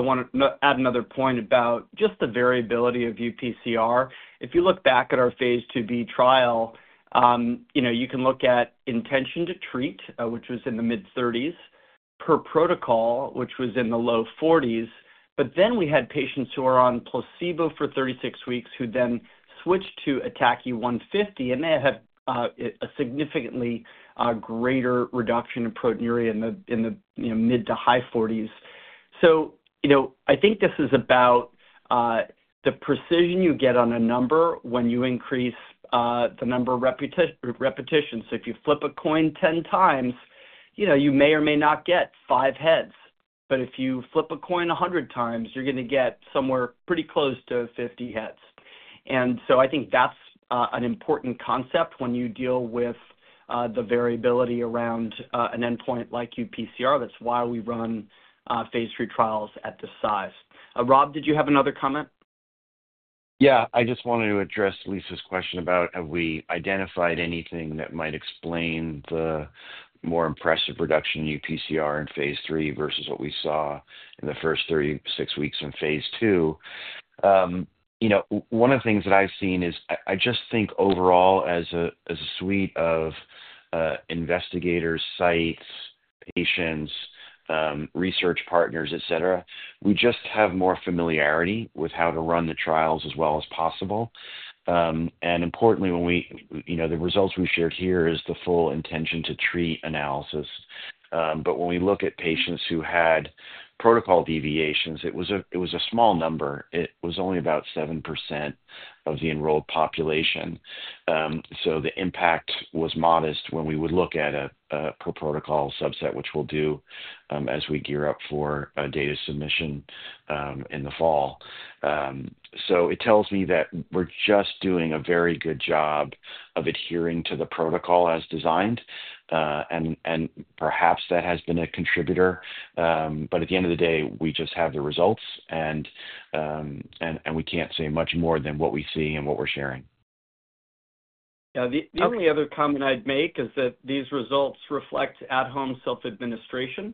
want to add another point about just the variability of UPCR. If you look back at our phase II-B trial, you can look at intention to treat, which was in the mid-30s, per protocol, which was in the low 40s. We had patients who were on placebo for 36 weeks who then switched to atacicept 150, and they had a significantly greater reduction in proteinuria in the mid to high 40s. I think this is about the precision you get on a number when you increase the number of repetitions. If you flip a coin 10 times, you may or may not get five heads. If you flip a coin 100 times, you're going to get somewhere pretty close to 50 heads. I think that's an important concept when you deal with the variability around an endpoint like UPCR. That's why we run phase III trials at this size. Rob, did you have another comment? Yeah. I just wanted to address Lisa's question about have we identified anything that might explain the more impressive reduction in UPCR in phase III versus what we saw in the first 36 weeks in phase II. One of the things that I've seen is I just think overall, as a suite of investigators, sites, patients, research partners, etc., we just have more familiarity with how to run the trials as well as possible. Importantly, the results we shared here is the full intention to treat analysis. When we look at patients who had protocol deviations, it was a small number. It was only about 7% of the enrolled population. The impact was modest when we would look at a per protocol subset, which we'll do as we gear up for data submission in the fall. It tells me that we're just doing a very good job of adhering to the protocol as designed. Perhaps that has been a contributor. At the end of the day, we just have the results, and we can't say much more than what we see and what we're sharing. Yeah. The only other comment I'd make is that these results reflect at-home self-administration.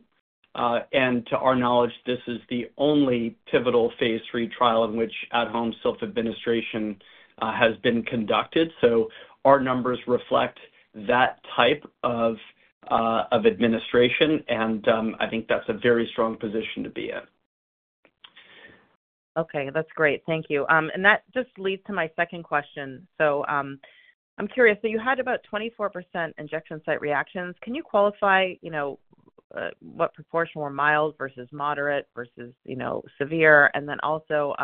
To our knowledge, this is the only pivotal phase III trial in which at-home self-administration has been conducted. Our numbers reflect that type of administration. I think that's a very strong position to be in. Okay. That's great. Thank you. That just leads to my second question. I'm curious. You had about 24% injection site reactions. Can you qualify what proportion were mild versus moderate versus severe? Also,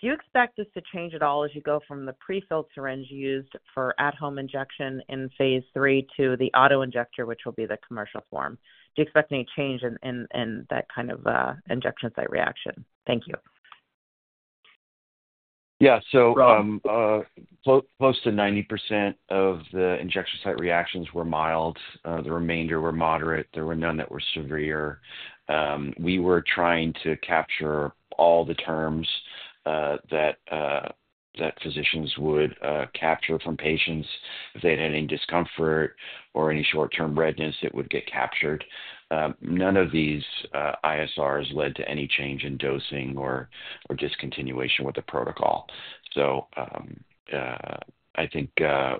do you expect this to change at all as you go from the prefilled syringe used for at-home injection in phase III to the auto injector, which will be the commercial form? Do you expect any change in that kind of injection site reaction? Thank you. Yeah. Close to 90% of the injection site reactions were mild. The remainder were moderate. There were none that were severe. We were trying to capture all the terms that physicians would capture from patients. If they had any discomfort or any short-term redness, it would get captured. None of these ISRs led to any change in dosing or discontinuation with the protocol. I think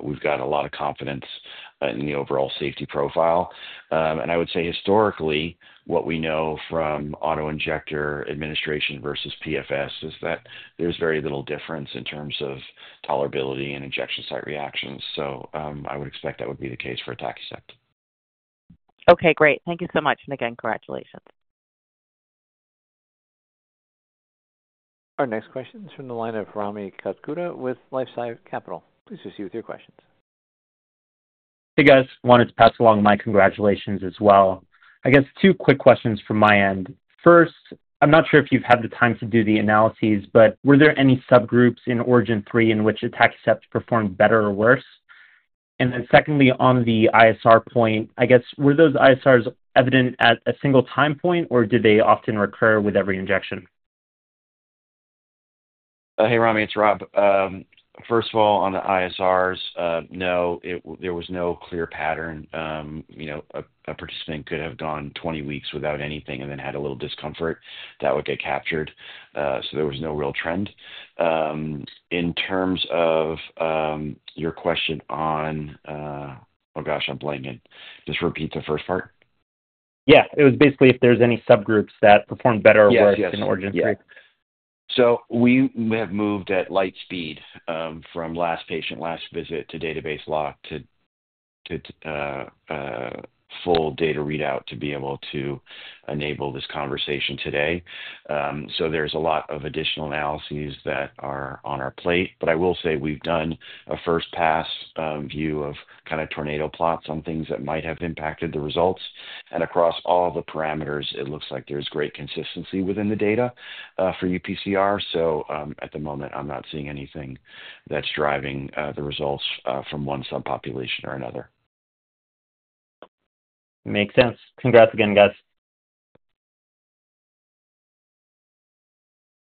we've got a lot of confidence in the overall safety profile. I would say historically, what we know from auto injector administration versus PFS is that there's very little difference in terms of tolerability and injection site reactions. I would expect that would be the case for atacicept. Okay. Great. Thank you so much. Again, congratulations. Our next question is from the line of Rami Katkhuda with LifeSci Capital. Please proceed with your questions. Hey, guys. Wanted to pass along my congratulations as well. I guess two quick questions from my end. First, I'm not sure if you've had the time to do the analyses, but were there any subgroups in ORIGIN Phase III in which atacicept performed better or worse? Secondly, on the ISR point, I guess, were those ISRs evident at a single time point, or did they often recur with every injection? Hey, Rami. It's Rob. First of all, on the ISRs, no, there was no clear pattern. A participant could have gone 20 weeks without anything and then had a little discomfort that would get captured. There was no real trend. In terms of your question on, oh, gosh, I'm blanking. Just repeat the first part. Yeah. It was basically if there's any subgroups that performed better or worse in ORIGIN Phase III. Yeah. Yeah. We have moved at light speed from last patient, last visit to database lock to full data readout to be able to enable this conversation today. There is a lot of additional analyses that are on our plate. I will say we've done a first-pass view of kind of tornado plots on things that might have impacted the results. Across all the parameters, it looks like there is great consistency within the data for UPCR. At the moment, I'm not seeing anything that's driving the results from one subpopulation or another. Makes sense. Congrats again, guys.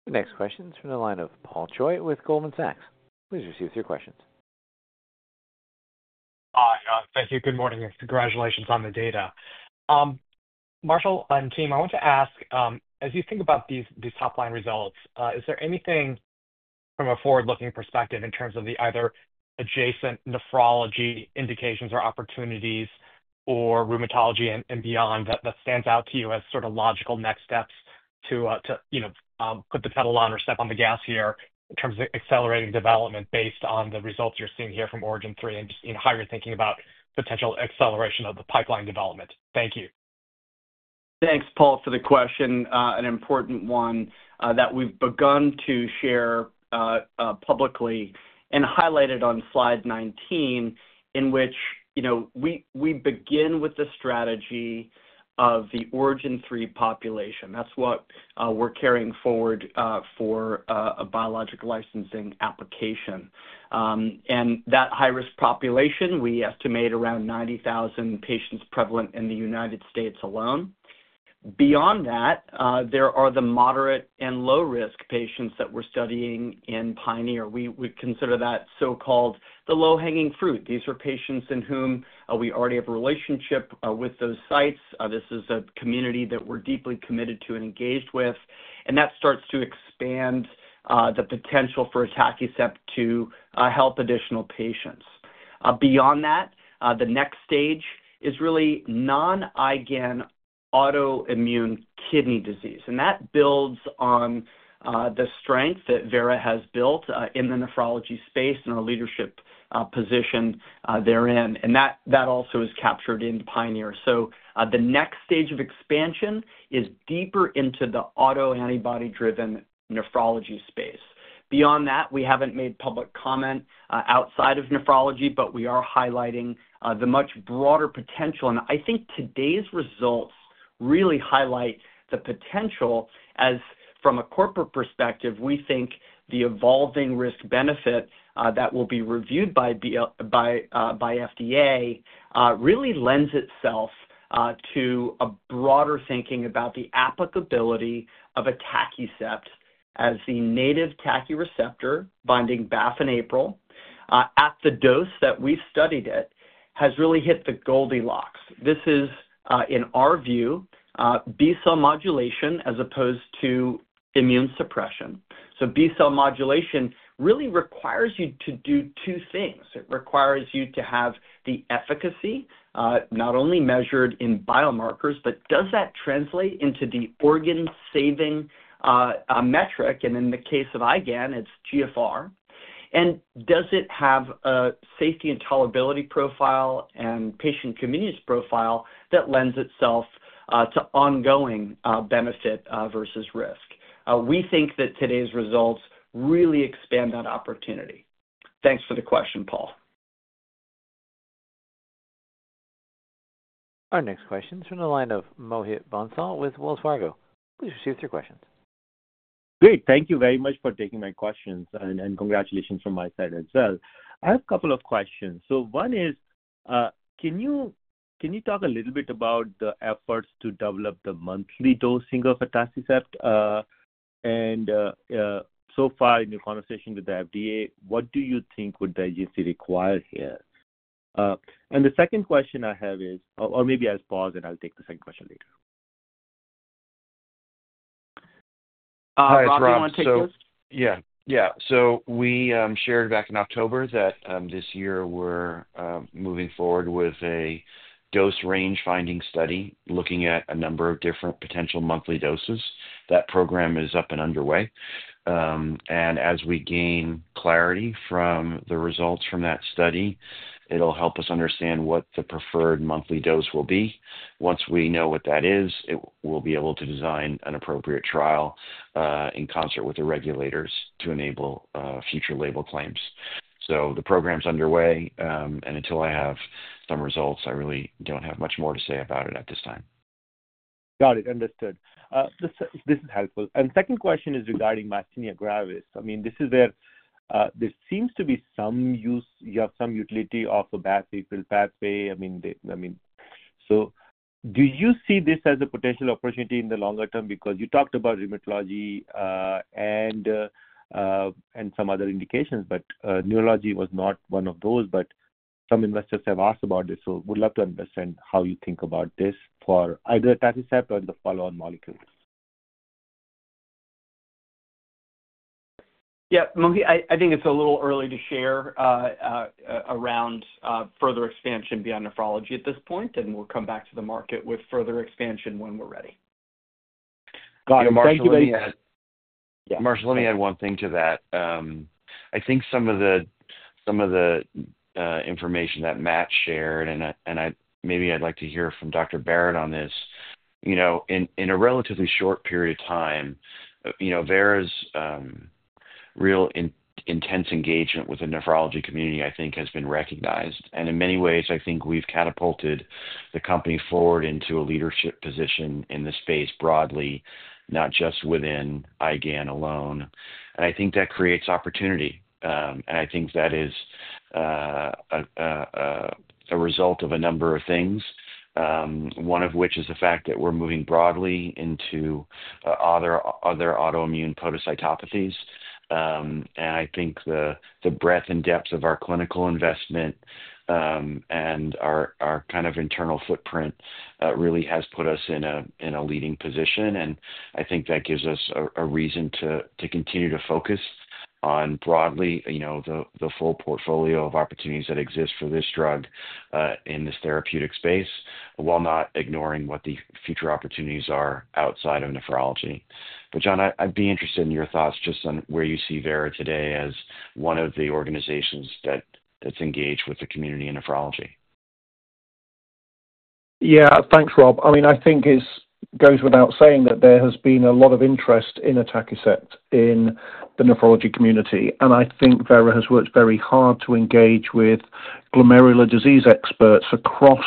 The next question is from the line of Paul Choi with Goldman Sachs. Please proceed with your questions. Hi. Thank you. Good morning. Congratulations on the data. Marshall and team, I want to ask, as you think about these top-line results, is there anything from a forward-looking perspective in terms of either adjacent nephrology indications or opportunities or rheumatology and beyond that stands out to you as sort of logical next steps to put the pedal on or step on the gas here in terms of accelerating development based on the results you're seeing here from ORIGIN phase III and just how you're thinking about potential acceleration of the pipeline development? Thank you. Thanks, Paul, for the question. An important one that we've begun to share publicly and highlighted on slide 19, in which we begin with the strategy of the ORIGIN phase III population. That's what we're carrying forward for a Biologics License Application. And that high-risk population, we estimate around 90,000 patients prevalent in the U.S. alone. Beyond that, there are the moderate and low-risk patients that we're studying in PIONEER. We consider that so-called the low-hanging fruit. These are patients in whom we already have a relationship with those sites. This is a community that we're deeply committed to and engaged with. That starts to expand the potential for atacicept to help additional patients. Beyond that, the next stage is really non-IgAN autoimmune kidney disease. That builds on the strength that Vera has built in the nephrology space and our leadership position therein. That also is captured in PIONEER. The next stage of expansion is deeper into the autoantibody-driven nephrology space. Beyond that, we haven't made public comment outside of nephrology, but we are highlighting the much broader potential. I think today's results really highlight the potential as, from a corporate perspective, we think the evolving risk-benefit that will be reviewed by FDA really lends itself to a broader thinking about the applicability of atacicept as the native TACI receptor binding BAFF and APRIL at the dose that we studied. It has really hit the Goldilocks. This is, in our view, B-cell modulation as opposed to immune suppression. B-cell modulation really requires you to do two things. It requires you to have the efficacy not only measured in biomarkers, but does that translate into the organ-saving metric? In the case of IgAN, it is eGFR. Does it have a safety and tolerability profile and patient communities profile that lends itself to ongoing benefit versus risk? We think that today's results really expand that opportunity. Thanks for the question, Paul. Our next question is from the line of Mohit Bansal with Wells Fargo. Please proceed with your questions. Great. Thank you very much for taking my questions. And congratulations from my side as well. I have a couple of questions. One is, can you talk a little bit about the efforts to develop the monthly dosing of atacicept? So far, in your conversation with the FDA, what do you think would the agency require here? The second question I have is, or maybe I'll pause and I'll take the second question later. That's Rob. Yeah. We shared back in October that this year, we're moving forward with a dose range finding study looking at a number of different potential monthly doses. That program is up and underway. As we gain clarity from the results from that study, it'll help us understand what the preferred monthly dose will be. Once we know what that is, we'll be able to design an appropriate trial in concert with the regulators to enable future label claims. The program's underway. Until I have some results, I really don't have much more to say about it at this time. Got it. Understood. This is helpful. The second question is regarding myasthenia gravis. I mean, this is where there seems to be some use, you have some utility of a BAFF, APRIL pathway. I mean, do you see this as a potential opportunity in the longer term? Because you talked about rheumatology and some other indications, but neurology was not one of those. Some investors have asked about this. We'd love to understand how you think about this for either atacicept or the follow-on molecules. Yeah. Mohit, I think it's a little early to share around further expansion beyond nephrology at this point. We'll come back to the market with further expansion when we're ready. Got it. Thank you very much. Marshall, let me add one thing to that. I think some of the information that Matt shared, and maybe I'd like to hear from Dr. Barratt on this, in a relatively short period of time, Vera's real intense engagement with the nephrology community, I think, has been recognized. In many ways, I think we've catapulted the company forward into a leadership position in the space broadly, not just within IgAN alone. I think that creates opportunity. I think that is a result of a number of things, one of which is the fact that we're moving broadly into other autoimmune podocytopathies. I think the breadth and depth of our clinical investment and our kind of internal footprint really has put us in a leading position. I think that gives us a reason to continue to focus on broadly the full portfolio of opportunities that exist for this drug in this therapeutic space while not ignoring what the future opportunities are outside of nephrology. John, I'd be interested in your thoughts just on where you see Vera today as one of the organizations that's engaged with the community in nephrology. Yeah. Thanks, Rob. I mean, I think it goes without saying that there has been a lot of interest in atacicept in the nephrology community. I think Vera has worked very hard to engage with glomerular disease experts across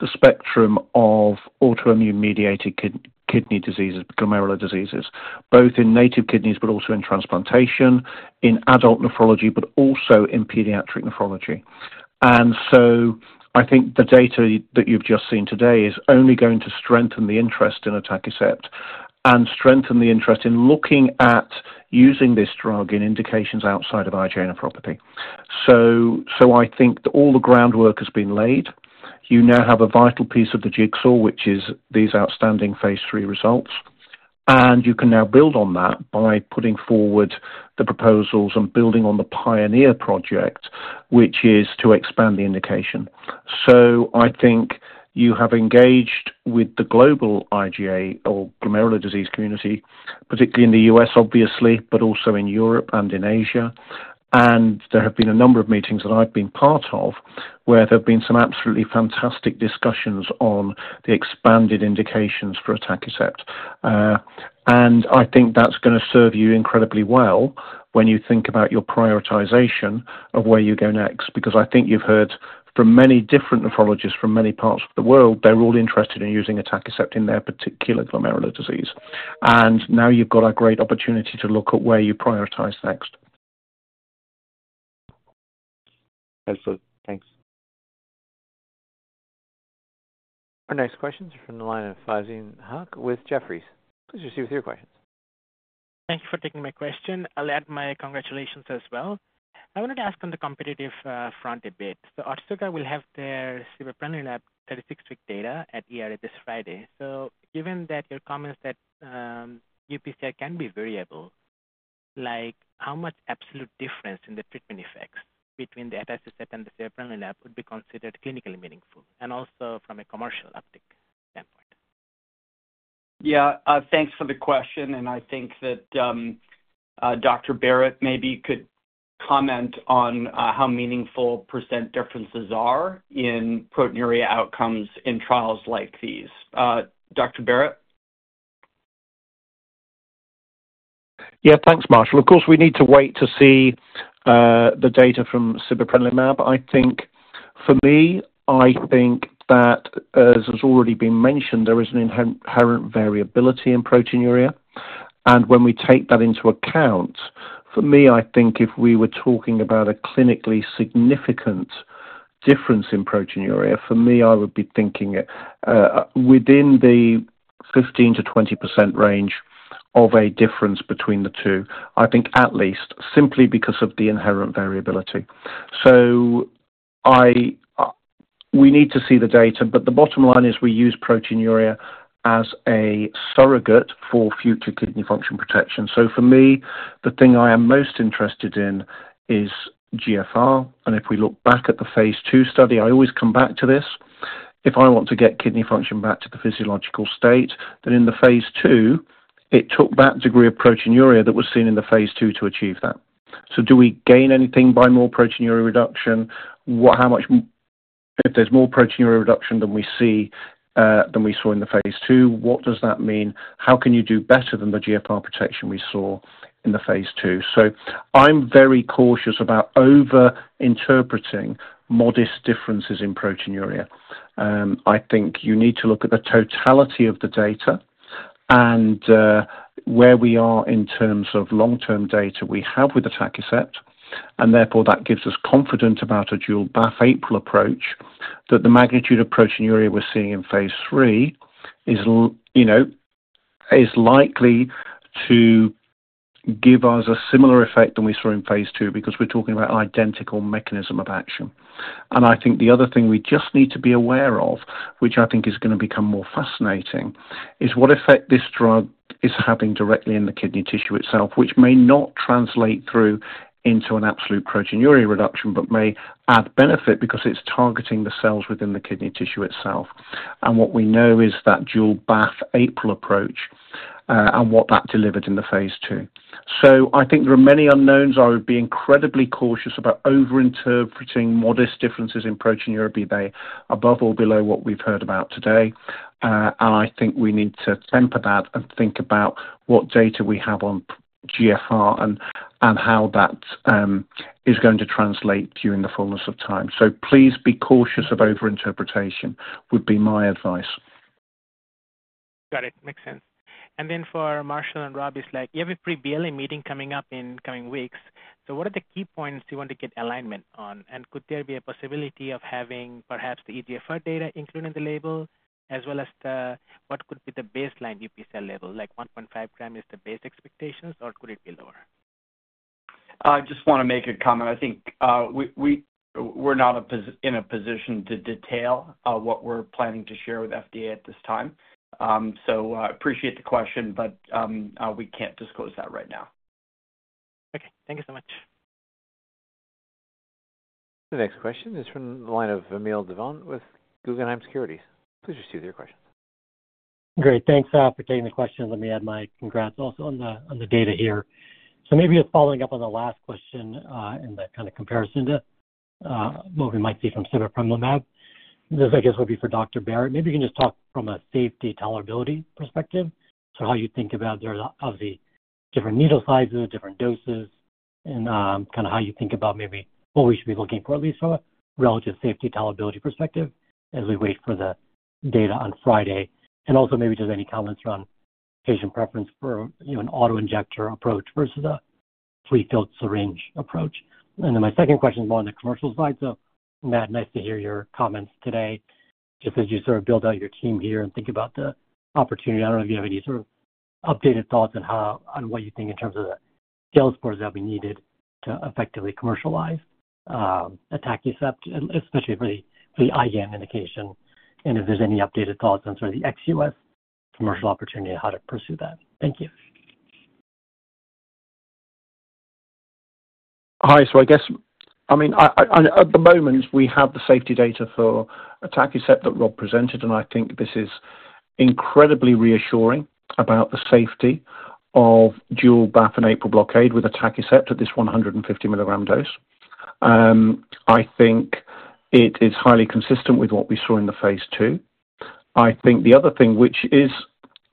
the spectrum of autoimmune-mediated kidney diseases, glomerular diseases, both in native kidneys, but also in transplantation, in adult nephrology, but also in pediatric nephrology. I think the data that you've just seen today is only going to strengthen the interest in atacicept and strengthen the interest in looking at using this drug in indications outside of IgA nephropathy appropriately. I think that all the groundwork has been laid. You now have a vital piece of the jigsaw, which is these outstanding phase III results. You can now build on that by putting forward the proposals and building on the PIONEER project, which is to expand the indication. I think you have engaged with the global IgA or glomerular disease community, particularly in the U.S., obviously, but also in Europe and in Asia. There have been a number of meetings that I've been part of where there have been some absolutely fantastic discussions on the expanded indications for atacicept. I think that's going to serve you incredibly well when you think about your prioritization of where you go next. I think you've heard from many different nephrologists from many parts of the world, they're all interested in using atacicept in their particular glomerular disease. Now you've got a great opportunity to look at where you prioritize next. Excellent. Thanks. Our next question is from the line of Faizeen Haq with Jefferies. Please proceed with your questions. Thank you for taking my question. I'll add my congratulations as well. I wanted to ask on the competitive front a bit. Otsuka will have their sibeprenlimab 36-week data at ERA this Friday. Given your comments that UPCR can be variable, how much absolute difference in the treatment effects between the atacicept and the sibeprenlimab would be considered clinically meaningful? Also from a commercial optic standpoint. Yeah. Thanks for the question. I think that Dr. Barratt maybe could comment on how meaningful % differences are in proteinuria outcomes in trials like these. Dr. Barratt? Yeah. Thanks, Marshall. Of course, we need to wait to see the data from sibeprenlimab. I think for me, as has already been mentioned, there is an inherent variability in proteinuria. When we take that into account, for me, I think if we were talking about a clinically significant difference in proteinuria, for me, I would be thinking within the 15-20% range of a difference between the two, I think at least, simply because of the inherent variability. We need to see the data. The bottom line is we use proteinuria as a surrogate for future kidney function protection. For me, the thing I am most interested in is GFR. If we look back at the phase II study, I always come back to this. If I want to get kidney function back to the physiological state, then in the phase II, it took that degree of proteinuria that was seen in the phase II to achieve that. Do we gain anything by more proteinuria reduction? If there's more proteinuria reduction than we saw in the phase II, what does that mean? How can you do better than the GFR protection we saw in the phase II? I am very cautious about over-interpreting modest differences in proteinuria. I think you need to look at the totality of the data and where we are in terms of long-term data we have with atacicept. That gives us confidence about a dual-BAFF/APRIL approach that the magnitude of proteinuria we're seeing in phase III is likely to give us a similar effect than we saw in phase II because we're talking about an identical mechanism of action. I think the other thing we just need to be aware of, which I think is going to become more fascinating, is what effect this drug is having directly in the kidney tissue itself, which may not translate through into an absolute proteinuria reduction, but may add benefit because it's targeting the cells within the kidney tissue itself. What we know is that dual-BAFF/APRIL approach and what that delivered in the phase II. I think there are many unknowns. I would be incredibly cautious about over-interpreting modest differences in proteinuria. It'd be above or below what we've heard about today. I think we need to temper that and think about what data we have on eGFR and how that is going to translate during the fullness of time. Please be cautious of over-interpretation, would be my advice. Got it. Makes sense. For Marshall and Rob, it's like you have a pre-BLA meeting coming up in coming weeks. What are the key points you want to get alignment on? Could there be a possibility of having perhaps the eGFR data included in the label, as well as what could be the baseline UPCR level? Like 1.5 gram is the base expectations, or could it be lower? I just want to make a comment. I think we're not in a position to detail what we're planning to share with FDA at this time. I appreciate the question, but we can't disclose that right now. Thank you so much. The next question is from the line of Vamil Divan with Guggenheim Securities. Please proceed with your questions. Great. Thanks for taking the question. Let me add my congrats also on the data here. Maybe just following up on the last question and the kind of comparison to what we might see from sibeprenlimab, this I guess would be for Dr. Barratt. Maybe you can just talk from a safety tolerability perspective. How you think about, obviously, different needle sizes, different doses, and kind of how you think about maybe what we should be looking for, at least from a relative safety tolerability perspective as we wait for the data on Friday. Also maybe just any comments around patient preference for an autoinjector approach versus a prefilled syringe approach. My second question is more on the commercial side. Matt, nice to hear your comments today. Just as you sort of build out your team here and think about the opportunity, I don't know if you have any sort of updated thoughts on what you think in terms of the sales force that will be needed to effectively commercialize atacicept, especially for the IgA nephropathy indication. If there's any updated thoughts on sort of the ex-U.S. commercial opportunity and how to pursue that. Thank you. Hi. I guess, I mean, at the moment, we have the safety data for atacicept that Rob presented. I think this is incredibly reassuring about the safety of dual-BAFF/APRIL blockade with atacicept at this 150 milligram dose. I think it is highly consistent with what we saw in the phase II. The other thing, which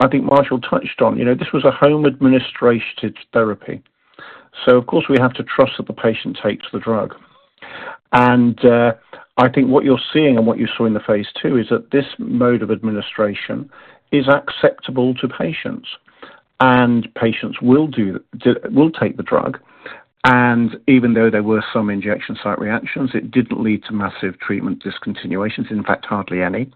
I think Marshall touched on, this was a home-administration therapy. Of course, we have to trust that the patient takes the drug. I think what you're seeing and what you saw in the phase II is that this mode of administration is acceptable to patients. Patients will take the drug. Even though there were some injection site reactions, it did not lead to massive treatment discontinuations, in fact, hardly any.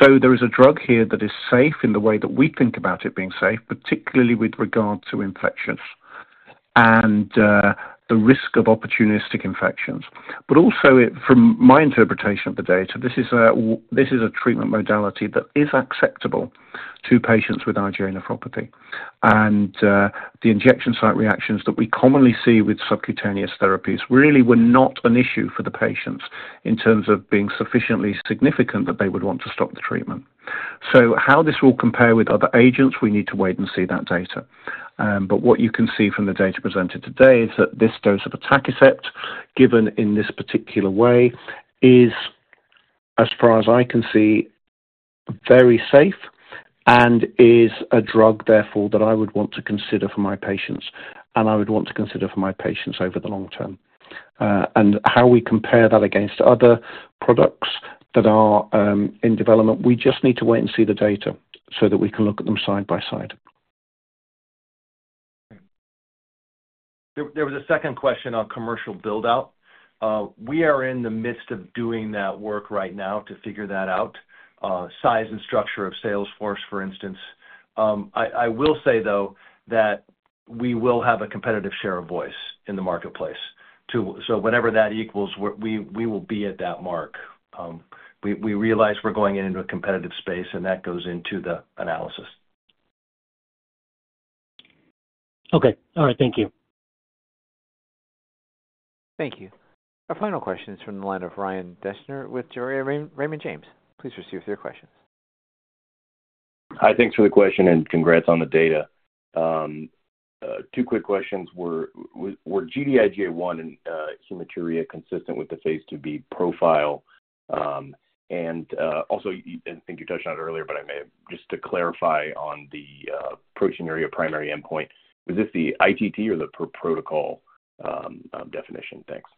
There is a drug here that is safe in the way that we think about it being safe, particularly with regard to infections and the risk of opportunistic infections. Also, from my interpretation of the data, this is a treatment modality that is acceptable to patients with IgA nephropathy. The injection site reactions that we commonly see with subcutaneous therapies really were not an issue for the patients in terms of being sufficiently significant that they would want to stop the treatment. How this will compare with other agents, we need to wait and see that data. What you can see from the data presented today is that this dose of atacicept, given in this particular way, is, as far as I can see, very safe and is a drug, therefore, that I would want to consider for my patients. I would want to consider for my patients over the long term. How we compare that against other products that are in development, we just need to wait and see the data so that we can look at them side by side. There was a second question on commercial buildout. We are in the midst of doing that work right now to figure that out, size and structure of Salesforce, for instance. I will say, though, that we will have a competitive share of voice in the marketplace. Whenever that equals, we will be at that mark. We realize we're going into a competitive space, and that goes into the analysis. Okay. All right. Thank you. Thank you. Our final question is from the line of Ryan Dessner with Joria, Raymond James. Please proceed with your questions. Hi. Thanks for the question and congrats on the data. Two quick questions. Were GD-IgA1 and hematuria consistent with the phase II-B profile? And also, I think you touched on it earlier, but I may have just to clarify on the proteinuria primary endpoint, was this the ITT or the protocol definition? Thanks.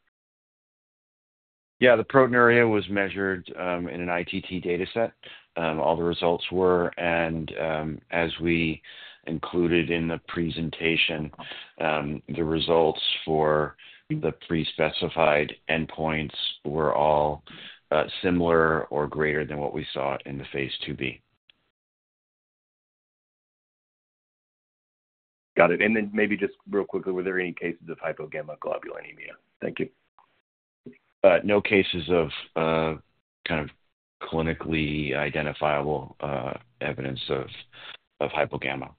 Yeah. The proteinuria was measured in an ITT data set. All the results were. And as we included in the presentation, the results for the prespecified endpoints were all similar or greater than what we saw in the phase II-B. Got it. And then maybe just real quickly, were there any cases of hypogammaglobulinemia? Thank you. No cases of kind of clinically identifiable evidence of hypogamma.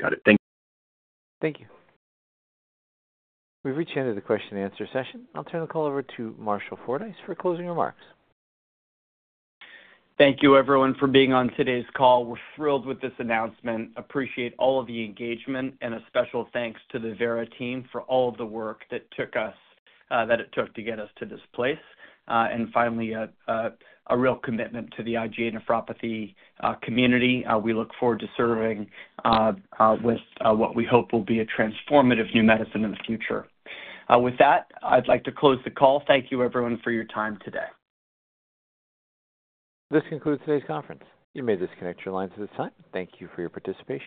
Got it. Thank you. Thank you. We've reached the end of the question-and-answer session. I'll turn the call over to Marshall Fordyce for closing remarks. Thank you, everyone, for being on today's call. We're thrilled with this announcement. Appreciate all of the engagement. And a special thanks to the Vera team for all of the work that it took to get us to this place. And finally, a real commitment to the IgA nephropathy community. We look forward to serving with what we hope will be a transformative new medicine in the future. With that, I'd like to close the call. Thank you, everyone, for your time today. This concludes today's conference. You may disconnect your lines at this time. Thank you for your participation.